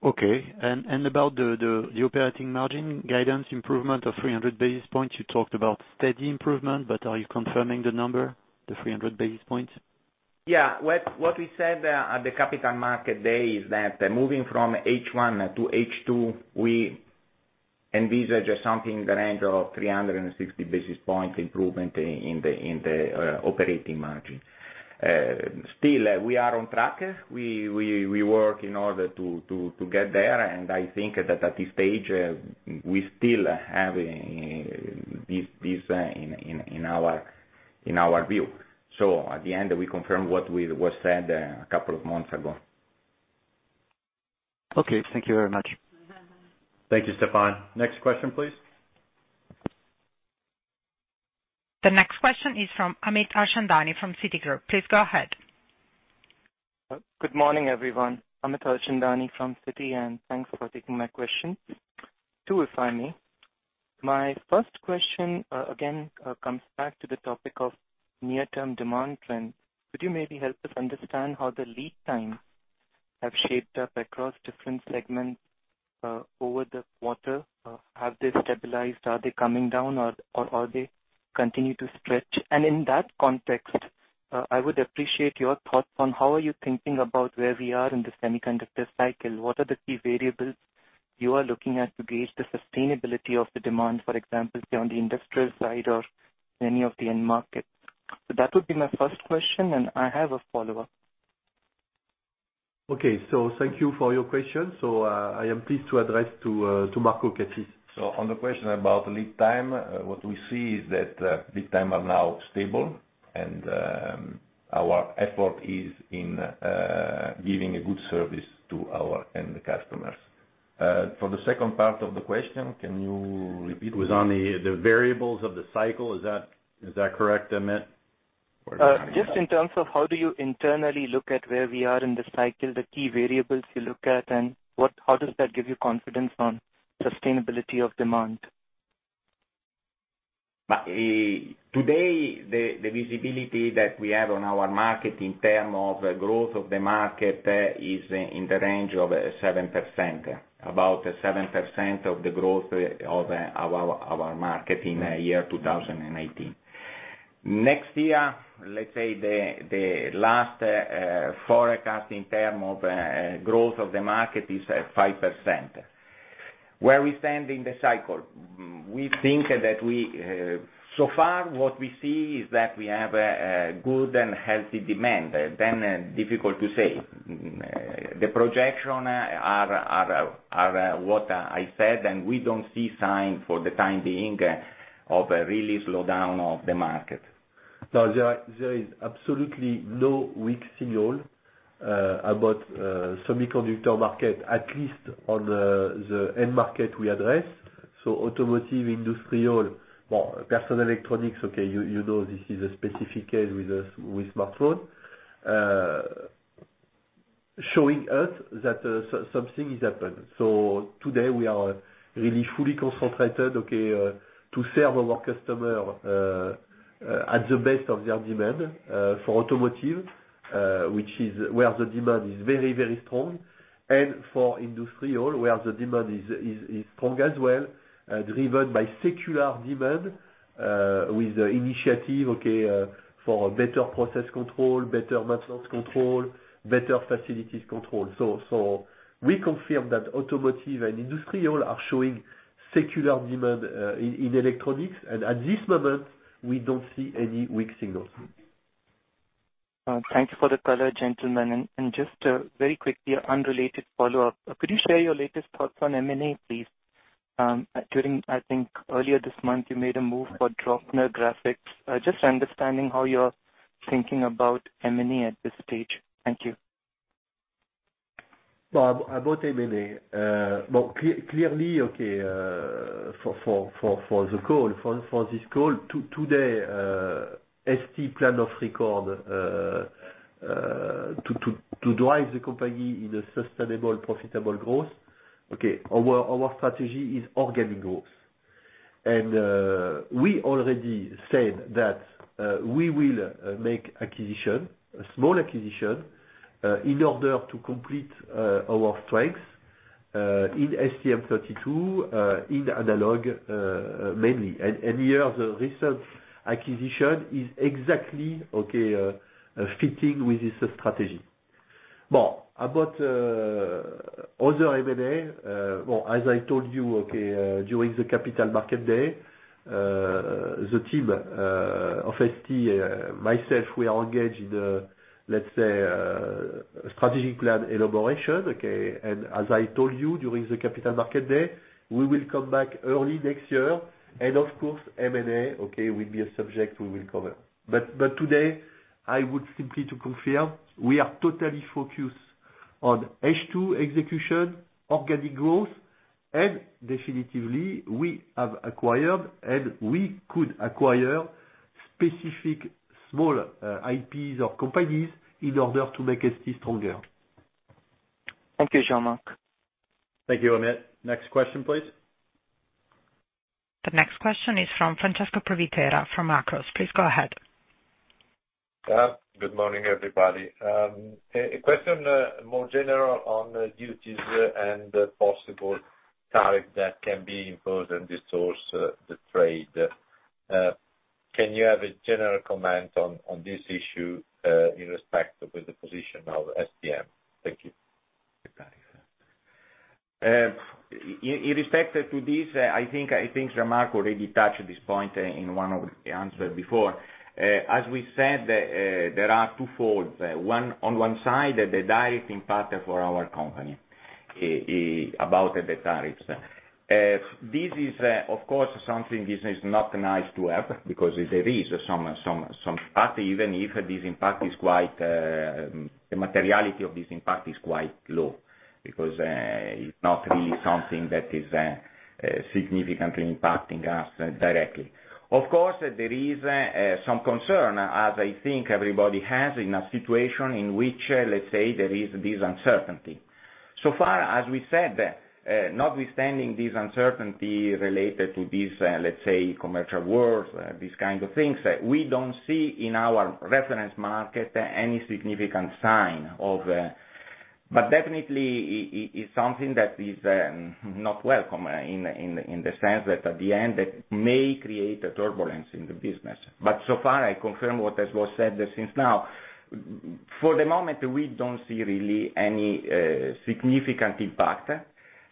About the operating margin guidance improvement of 300 basis points, you talked about steady improvement, are you confirming the number, the 300 basis points? What we said at the Capital Markets Day is that moving from H1 to H2, we envisage something in the range of 360 basis points improvement in the operating margin. Still, we are on track. We work in order to get there, I think that at this stage we still have this in our view. At the end, we confirm what we said a couple of months ago. Thank you very much. Thank you, Stéphane. Next question, please. The next question is from Amit Harchandani from Citigroup. Please go ahead. Good morning, everyone. Amit Harchandani from Citi. Thanks for taking my question. Two, if I may. My first question, again, comes back to the topic of near-term demand trends. Could you maybe help us understand how the lead times have shaped up across different segments over the quarter? Have they stabilized? Are they coming down or are they continue to stretch? In that context, I would appreciate your thoughts on how are you thinking about where we are in the semiconductor cycle? What are the key variables you are looking at to gauge the sustainability of the demand, for example, say on the industrial side or any of the end markets? That would be my first question, and I have a follow-up. Okay. Thank you for your question. I am pleased to address to Marco Cassis. On the question about lead times, what we see is that lead times are now stable and our effort is in giving a good service to our end customers. For the second part of the question, can you repeat? It was on the variables of the cycle. Is that correct, Amit? Or no. Just in terms of how do you internally look at where we are in the cycle, the key variables you look at, and how does that give you confidence on sustainability of demand? Today, the visibility that we have on our market in terms of growth of the market is in the range of 7%. About 7% of the growth of our market in year 2019. Next year, let's say the last forecast in terms of growth of the market is 5%. Where we stand in the cycle? We think that so far what we see is that we have a good and healthy demand. Difficult to say. The projections are what I said, and we don't see signs for the time being of a real slowdown of the market. No, there is absolutely no weak signal about semiconductor market, at least on the end market we address. Automotive, industrial, personal electronics, okay, you know this is a specific case with smartphone. Showing us that something has happened. Today we are really fully concentrated, okay, to serve our customer at the best of their demand, for automotive, where the demand is very, very strong, and for industrial, where the demand is strong as well, driven by secular demand, with the initiative, okay, for better process control, better maintenance control, better facilities control. We confirm that automotive and industrial are showing secular demand in electronics. At this moment, we don't see any weak signals. Thank you for the color, gentlemen. Just very quickly, unrelated follow-up, could you share your latest thoughts on M&A, please? During, I think earlier this month, you made a move for Draupner Graphics. Just understanding how you're thinking about M&A at this stage. Thank you. About M&A. Clearly, okay, *inaudible* today, ST plan of record to drive the company in a sustainable, profitable growth, okay, our strategy is organic growth. We already said that we will make acquisition, a small acquisition, in order to complete our strengths, in STM32, in analog, mainly. Here, the recent acquisition is exactly, okay, fitting with this strategy. About other M&A, as I told you, okay, during the Capital Markets Day, the team of ST, myself, we are engaged in, let's say, strategic plan elaboration, okay? As I told you during the Capital Markets Day, we will come back early next year. Of course, M&A, okay, will be a subject we will cover. Today, I would simply like to confirm, we are totally focused on H2 execution, organic growth, and definitively, we have acquired, and we could acquire specific small IPs or companies in order to make ST stronger. Thank you, Jean-Marc. Thank you, Amit. Next question, please. The next question is from Francesco Provitera, from Macquarie. Please go ahead. Good morning, everybody. A question more general on duties and possible tariff that can be imposed and distort the trade. Can you have a general comment on this issue, in respect with the position of STM? Thank you. The tariff. In respect to this, I think Jean-Marc already touched this point in one of the answers before. As we said, there are two folds. On one side, the direct impact for our company about the tariffs. This is, of course, something this is not nice to have, because there is some impact, even if the materiality of this impact is quite low, because it's not really something that is significantly impacting us directly. Of course, there is some concern, as I think everybody has, in a situation in which, let's say, there is this uncertainty. So far, as we said, notwithstanding this uncertainty related to this, let's say commercial wars, these kinds of things, we don't see in our reference market. Definitely, it's something that is not welcome in the sense that at the end, it may create a turbulence in the business. So far, I confirm what has been said since now. For the moment, we don't see really any significant impact.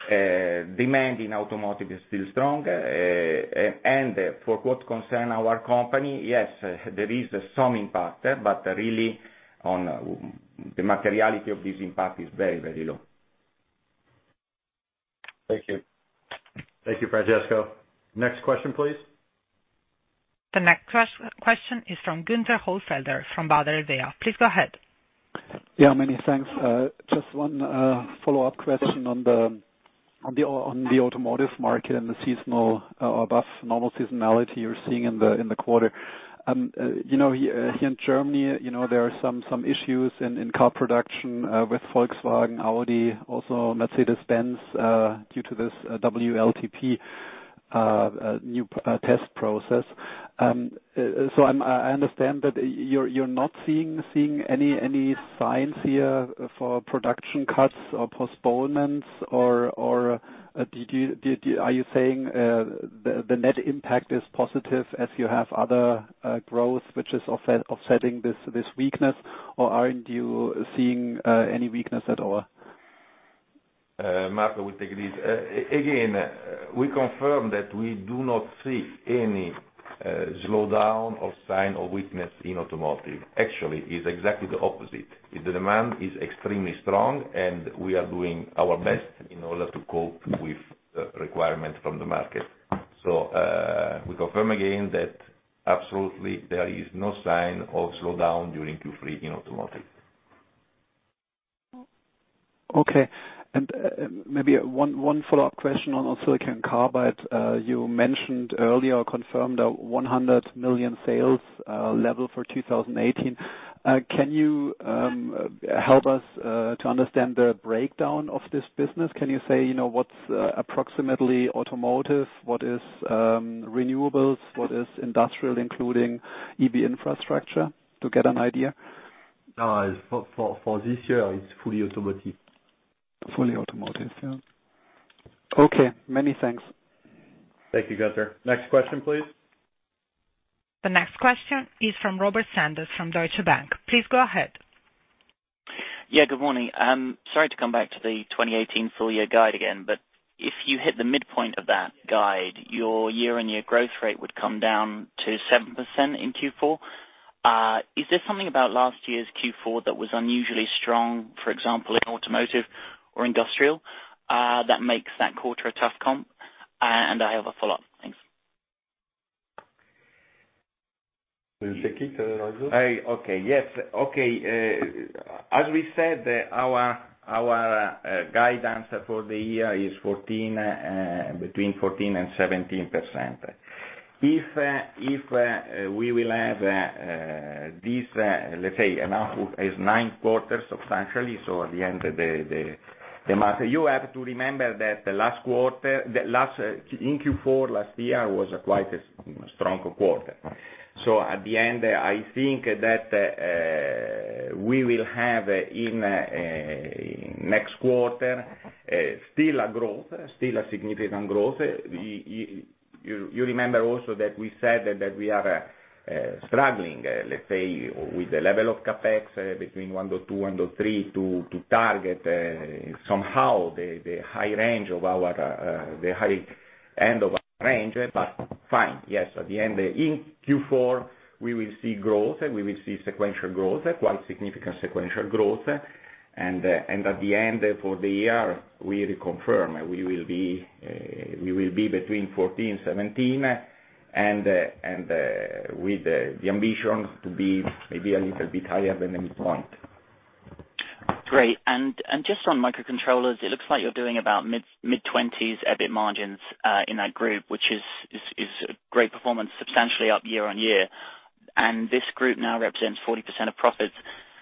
Demand in automotive is still strong. For what concerns our company, yes, there is some impact, but really, the materiality of this impact is very, very low. Thank you. Thank you, Francesco. Next question, please. The next question is from Günter Hollfelder from Baader Bank. Please go ahead. Yeah, many thanks. Just one follow-up question on the automotive market and the above normal seasonality you're seeing in the quarter. Here in Germany, there are some issues in car production with Volkswagen, Audi, also Mercedes-Benz, due to this WLTP, new test process. I understand that you're not seeing any signs here for production cuts or postponements, or are you saying the net impact is positive as you have other growth, which is offsetting this weakness? Aren't you seeing any weakness at all? Marco will take this. Again, we confirm that we do not see any slowdown or sign of weakness in automotive. Actually, it's exactly the opposite. The demand is extremely strong, and we are doing our best in order to cope with the requirement from the market. We confirm again that absolutely there is no sign of slowdown during Q3 in automotive. Okay. Maybe one follow-up question on silicon carbide. You mentioned earlier or confirmed $100 million sales level for 2018. Can you help us to understand the breakdown of this business? Can you say what's approximately automotive, what is renewables, what is industrial, including EV infrastructure, to get an idea? For this year, it's fully automotive. Fully automotive. Yeah. Okay. Many thanks. Thank you, Günter. Next question, please. The next question is from Robert Sanders from Deutsche Bank. Please go ahead. Good morning. Sorry to come back to the 2018 full-year guide again, if you hit the midpoint of that guide, your year-on-year growth rate would come down to 7% in Q4. Is there something about last year's Q4 that was unusually strong, for example, in automotive or industrial, that makes that quarter a tough comp? I have a follow-up. Thanks. Okay. Yes. As we said, our guidance for the year is between 14% and 17%. If we will have this, let's say, enough is nine quarters substantially, so at the end of the month. You have to remember that in Q4 last year was quite a strong quarter. At the end, I think that we will have in next quarter, still a significant growth. You remember also that we said that we are struggling, let's say, with the level of CapEx between 1.2, 1.3 to target somehow the high end of our range. Fine, yes, at the end, in Q4, we will see growth, we will see sequential growth, quite significant sequential growth. At the end of the year, we reconfirm, we will be between 14% and 17%, and with the ambition to be maybe a little bit higher than the midpoint. Great. Just on microcontrollers, it looks like you're doing about mid-20s EBIT margins, in that group, which is a great performance, substantially up year-on-year. This group now represents 40% of profits.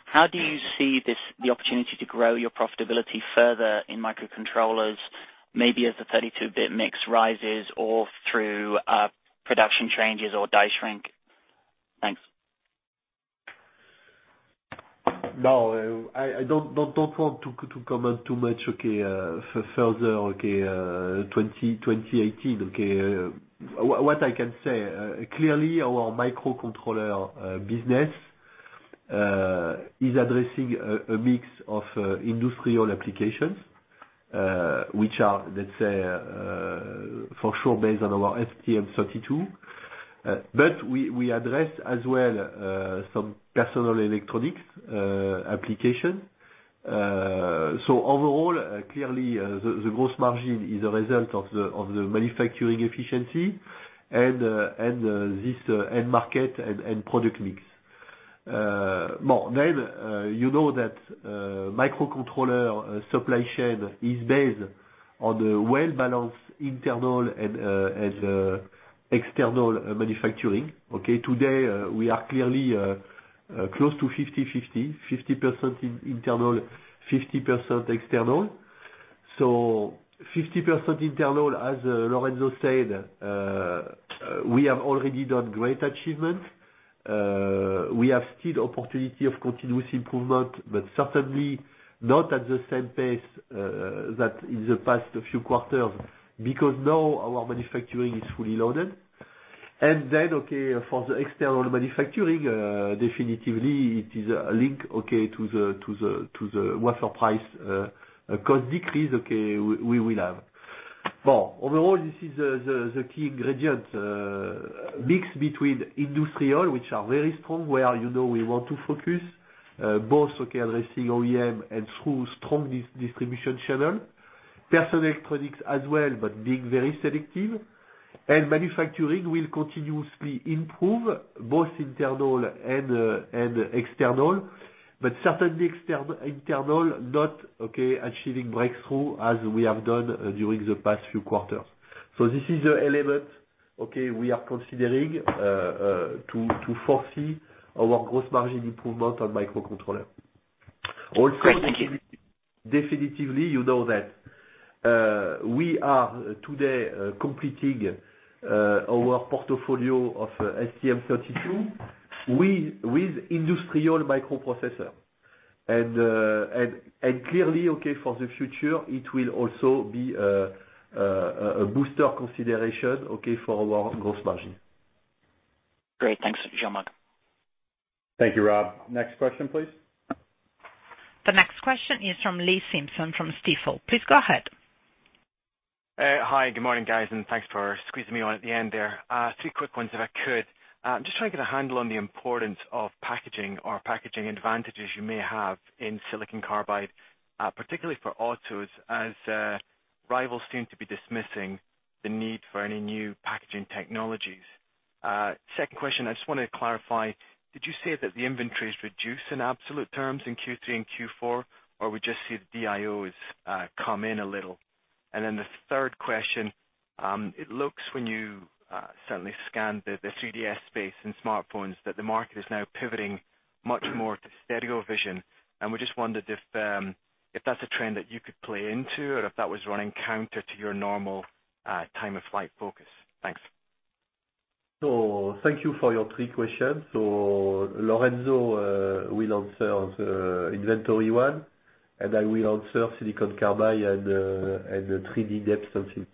How do you see the opportunity to grow your profitability further in microcontrollers, maybe as the 32-bit mix rises or through production changes or die shrink? Thanks. No, I don't want to comment too much, okay, further, 2018, okay. What I can say, clearly, our microcontroller business is addressing a mix of industrial applications, which are, let's say, for sure based on our STM32. We address as well, some personal electronics application. Overall, clearly, the gross margin is a result of the manufacturing efficiency and this end market and product mix. You know that microcontroller supply chain is based on the well-balanced internal and external manufacturing, okay. Today, we are clearly close to 50-50, 50% internal, 50% external. 50% internal, as Lorenzo said, we have already done great achievement. We have still opportunity of continuous improvement, but certainly not at the same pace, that in the past few quarters, because now our manufacturing is fully loaded. Okay, for the external manufacturing, definitively it is a link, okay, to the wafer price, cost decrease, okay, we will have. Overall, this is the key ingredient, mix between industrial, which are very strong, where we want to focus, both okay addressing OEM and through strong distribution channel. Personal electronics as well, but being very selective. Manufacturing will continuously improve both internal and external. Certainly internal, not achieving breakthrough as we have done during the past few quarters. This is the element, okay, we are considering to foresee our gross margin improvement on microcontroller. Great. Thank you. Also, definitively, you know that we are today completing our portfolio of STM32 with industrial microprocessor. Clearly, okay, for the future, it will also be a booster consideration, okay, for our gross margin. Great. Thanks a bunch, Jean-Marc. Thank you, Rob. Next question, please. The next question is from Lee Simpson from Stifel. Please go ahead. Hi, good morning, guys. Thanks for squeezing me on at the end there. Three quick ones if I could. I'm just trying to get a handle on the importance of packaging or packaging advantages you may have in silicon carbide, particularly for autos, as rivals seem to be dismissing the need for any new packaging technologies. Second question, I just wanted to clarify, did you say that the inventory is reduced in absolute terms in Q3 and Q4, or we just see the DIOs come in a little? The third question, it looks, when you certainly scan the 3D face space and smartphones, that the market is now pivoting much more to stereo vision. We just wondered if that's a trend that you could play into or if that was running counter to your normal time-of-flight focus. Thanks. Thank you for your three questions. Lorenzo will answer on the inventory one, I will answer silicon carbide and the 3D depth sensing.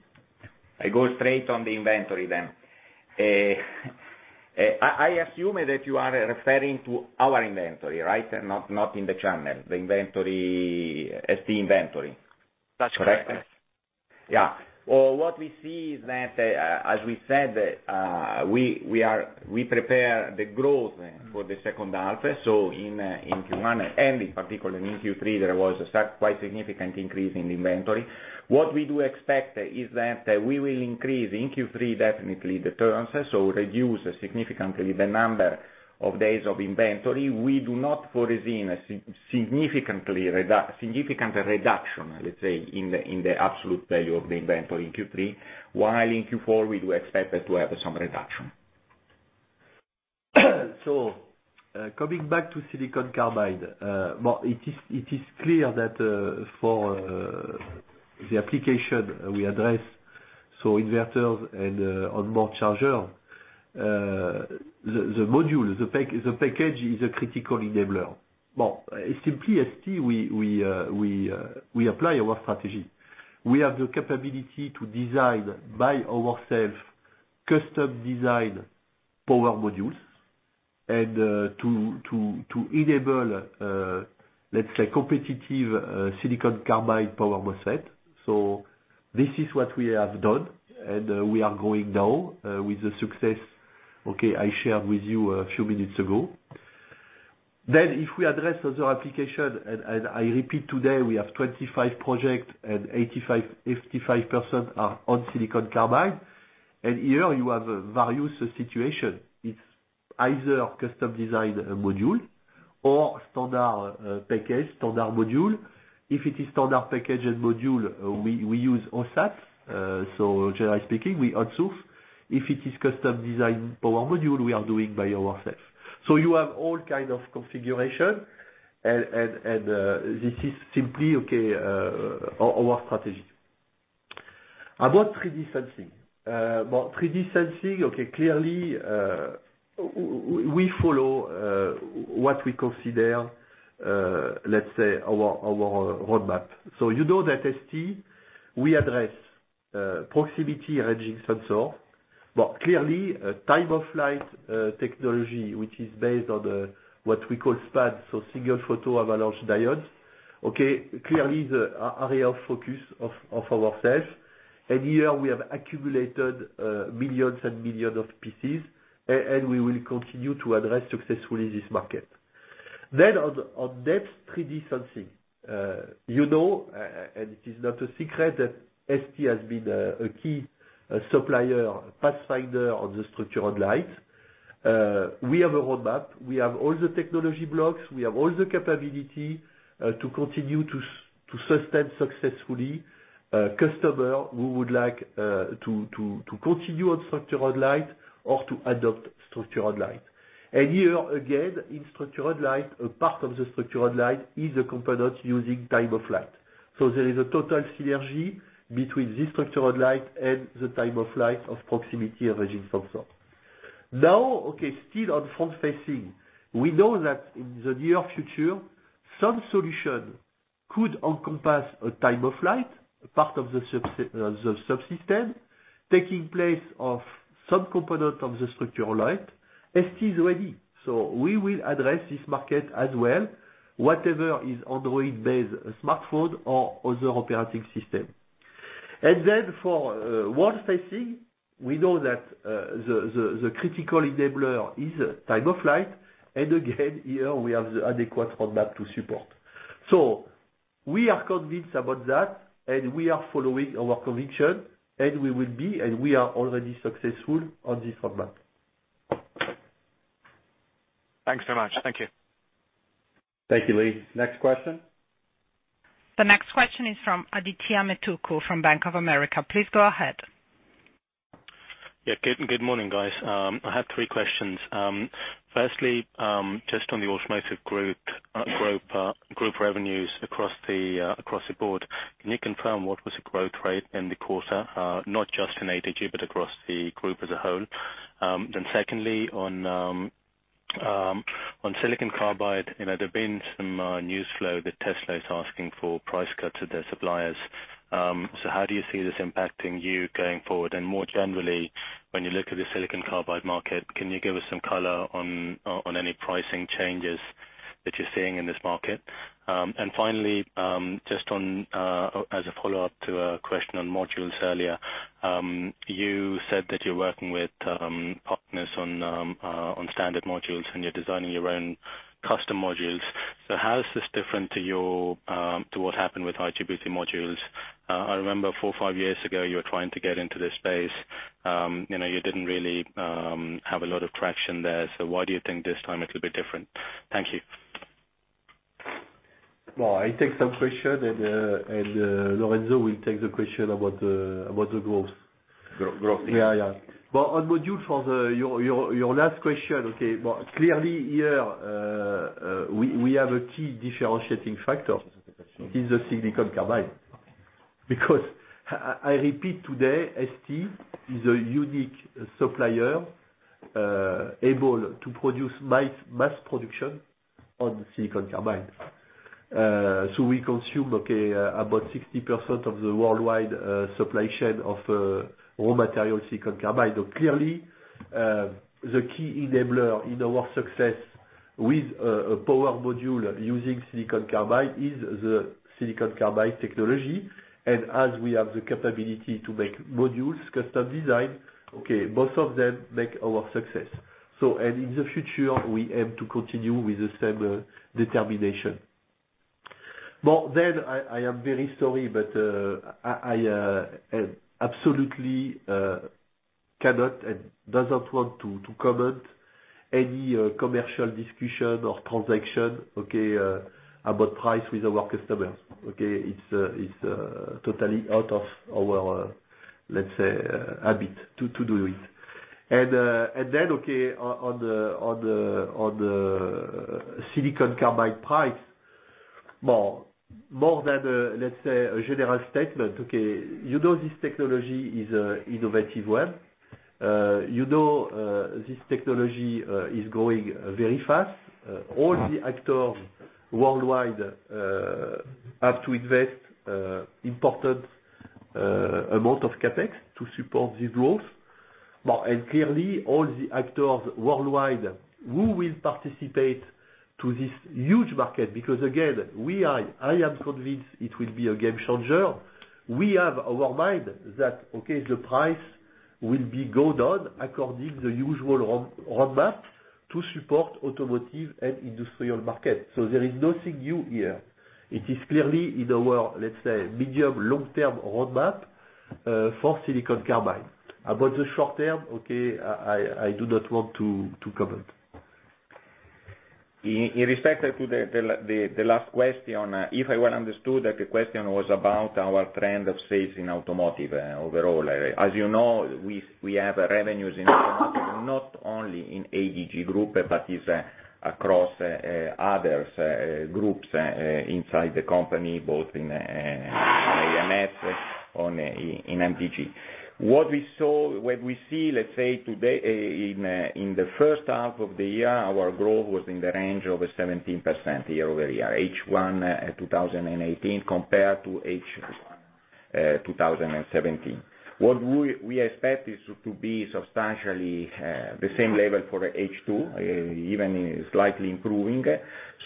I go straight on the inventory. I assume that you are referring to our inventory, right? Not in the channel. The ST inventory. That's correct. Correct? Yeah. What we see is that, as we said, we prepare the growth for the second half. In Q1 and in particular in Q3, there was a quite significant increase in inventory. What we do expect is that we will increase in Q3, definitely the turns, so reduce significantly the number of days of inventory. We do not foresee significant reduction, let's say, in the absolute value of the inventory in Q3, while in Q4, we do expect to have some reduction. Coming back to silicon carbide. It is clear that for the application we address, inverters and on-board charger, the module, the package is a critical enabler. Simply ST, we apply our strategy. We have the capability to design by ourself custom design power modules and to enable, competitive silicon carbide power MOSFET. This is what we have done, and we are going now with the success, I shared with you a few minutes ago. If we address other application, and I repeat today, we have 25 project and 85% are on silicon carbide. And here you have various situation. It's either custom design module or standard package, standard module. If it is standard package and module, we use OSAT. Generally speaking, we outsource. If it is custom design power module, we are doing by ourself. You have all kind of configuration, and this is simply our strategy. About 3D sensing. About 3D sensing, clearly, we follow what we consider our roadmap. You know that ST, we address proximity ranging sensor. Clearly, time of flight technology, which is based on the, what we call SPAD, single-photon avalanche diode, clearly is the area of focus of ourselves. And here we have accumulated millions and millions of pieces, and we will continue to address successfully this market. On depth 3D sensing. You know, and it is not a secret, that ST has been a key supplier pathfinder on the structured light. We have a roadmap. We have all the technology blocks. We have all the capability to continue to sustain successfully customer who would like to continue on structured light or to adopt structured light. Here again, in structured light, a part of the structured light is a component using time of flight. There is a total synergy between the structured light and the time of flight of proximity ranging sensor. Now, still on front facing, we know that in the near future, some solution could encompass a time of flight, a part of the sub-system, taking place of some component of the structured light. ST is ready. We will address this market as well, whatever is Android-based smartphone or other operating system. For world-facing, we know that the critical enabler is time of flight. Again, here we have the adequate roadmap to support. We are convinced about that, and we are following our conviction, and we will be, and we are already successful on this roadmap. Thanks so much. Thank you. Thank you, Lee. Next question. The next question is from Adithya Metuku from Bank of America. Please go ahead. Yeah. Good morning, guys. I have three questions. Firstly, just on the automotive group revenues across the board. Can you confirm what was the growth rate in the quarter? Not just in ADG but across the group as a whole. Secondly, on silicon carbide, there have been some news flow that Tesla is asking for price cuts with their suppliers. How do you see this impacting you going forward? More generally, when you look at the silicon carbide market, can you give us some color on any pricing changes that you're seeing in this market? Finally, just as a follow-up to a question on modules earlier, you said that you're working with partners on standard modules and you're designing your own custom modules. How is this different to what happened with IGBT modules? I remember four or five years ago, you were trying to get into this space. You didn't really have a lot of traction there, so why do you think this time it will be different? Thank you. Well, I take some question. Lorenzo will take the question about the growth. Growth. Yeah. Well, on module for your last question, okay. Clearly here, we have a key differentiating factor. It is the silicon carbide. I repeat today, ST is a unique supplier able to produce mass production on silicon carbide. We consume about 60% of the worldwide supply chain of raw material silicon carbide. Clearly, the key enabler in our success with a power module using silicon carbide is the silicon carbide technology. As we have the capability to make modules, custom design, both of them make our success. In the future, we aim to continue with the same determination. I am very sorry, I absolutely cannot and does not want to comment any commercial discussion or transaction about price with our customers, okay? It's totally out of our, let's say, habit to do it. On the silicon carbide price. More than, let's say, a general statement, okay. You know this technology is innovative one. You know this technology is growing very fast. All the actors worldwide have to invest important amount of CapEx to support this growth. Clearly, all the actors worldwide who will participate to this huge market, again, I am convinced it will be a game changer. We have our mind that, okay, the price will be going on according the usual roadmap to support automotive and industrial market. There is nothing new here. It is clearly in our, let's say, medium long-term roadmap, for silicon carbide. About the short term, okay, I do not want to comment. In respect to the last question, if I well understood that the question was about our trend of sales in automotive overall. As you know, we have revenues in automotive, not only in ADG group, but is across others groups inside the company, both in AMS, in MDG. What we see, let's say, today in the first half of the year, our growth was in the range of 17% year-over-year, H1 2018 compared to H1 2017. What we expect is to be substantially the same level for H2, even slightly improving.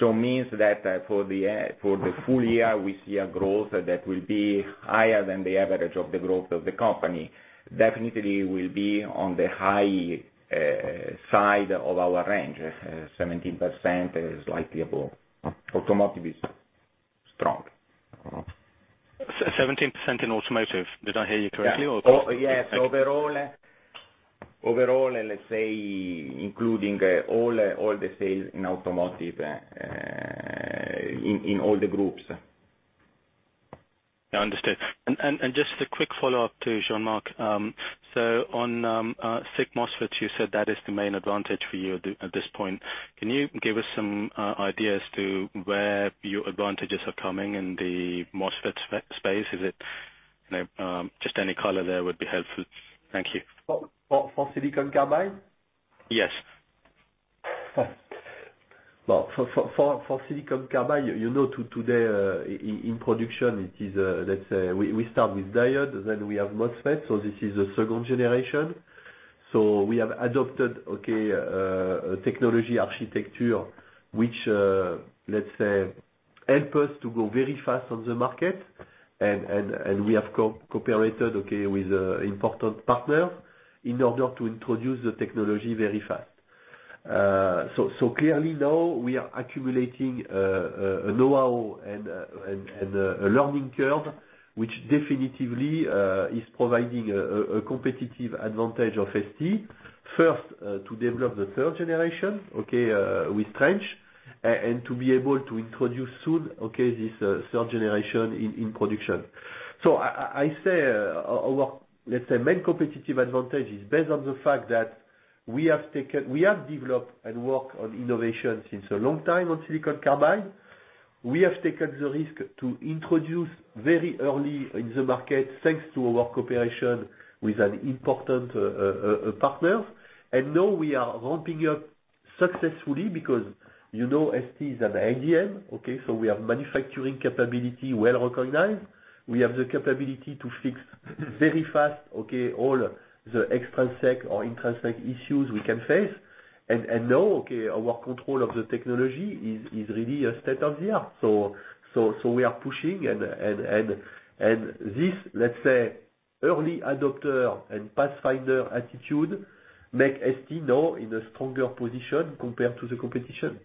Means that for the full year, we see a growth that will be higher than the average of the growth of the company. Definitely will be on the high side of our range. 17% is slightly above. Automotive is strong. 17% in automotive. Did I hear you correctly? Yes. Overall, let's say, including all the sales in automotive, in all the groups. Understood. Just a quick follow-up to Jean-Marc. On SiC MOSFETs, you said that is the main advantage for you at this point. Can you give us some ideas to where your advantages are coming in the MOSFET space? Just any color there would be helpful. Thank you. For silicon carbide? Yes. For silicon carbide, you know today in production, let's say we start with diode, then we have MOSFET. This is the second generation. We have adopted a technology architecture which, let's say, help us to go very fast on the market, and we have cooperated with important partners in order to introduce the technology very fast. Clearly now we are accumulating a know-how and a learning curve, which definitively is providing a competitive advantage of ST, first, to develop the third generation, okay, with Trench, and to be able to introduce soon this third generation in production. I say our, let's say, main competitive advantage is based on the fact that we have developed and worked on innovation since a long time on silicon carbide. We have taken the risk to introduce very early in the market, thanks to our cooperation with an important partner. Now we are ramping up successfully because ST is an IDM. We have manufacturing capability well recognized. We have the capability to fix very fast all the extrinsic or intrinsic issues we can face. Now, okay, our control of the technology is really a state of the art. We are pushing. This, let's say early adopter and pathfinder attitude, make ST now in a stronger position compared to the competition.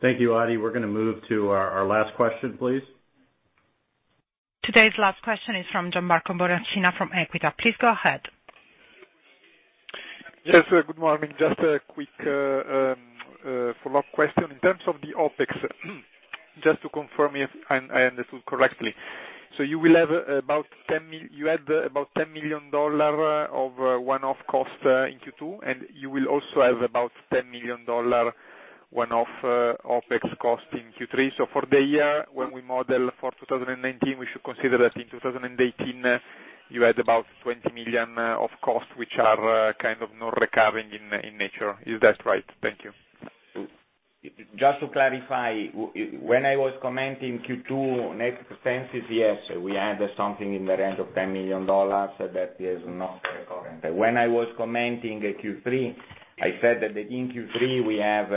Thank you, Adi. We're going to move to our last question, please. Today's last question is from Gianmarco Bonacina from Equita. Please go ahead. Yes, good morning. Just a quick follow-up question. In terms of the OpEx, just to confirm if I understood correctly. You had about $10 million of one-off cost in Q2, and you will also have about $10 million one-off OpEx cost in Q3. For the year, when we model for 2019, we should consider that in 2018, you had about $20 million of costs, which are kind of non-recurring in nature. Is that right? Thank you. Just to clarify, when I was commenting Q2 next expenses, yes, we had something in the range of $10 million that is not recurring. When I was commenting Q3, I said that in Q3 we have,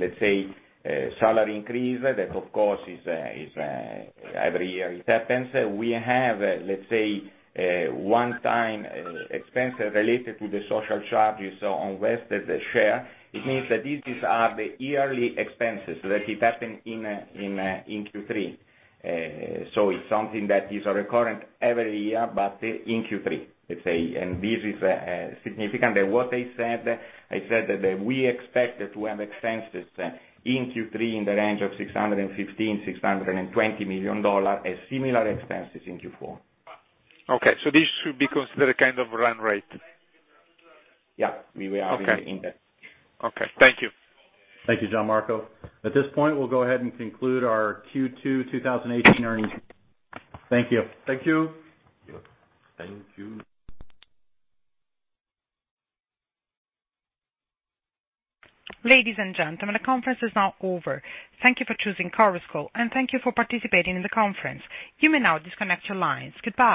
let's say, salary increase, that, of course, every year it happens. We have, let's say, one time, expense related to the social charges on vested share. It means that these are the yearly expenses that it happened in Q3. It's something that is recurring every year, but in Q3, let's say, and this is significant. What I said, I said that we expect to have expenses in Q3 in the range of $615, $620 million, as similar expenses in Q4. Okay, this should be considered a kind of run rate? Yeah. We are in that. Okay. Thank you. Thank you, Gianmarco. At this point, we'll go ahead and conclude our Q2 2018 earnings. Thank you. Thank you. Thank you. Ladies and gentlemen, the conference is now over. Thank you for choosing Chorus Call, and thank you for participating in the conference. You may now disconnect your lines. Goodbye.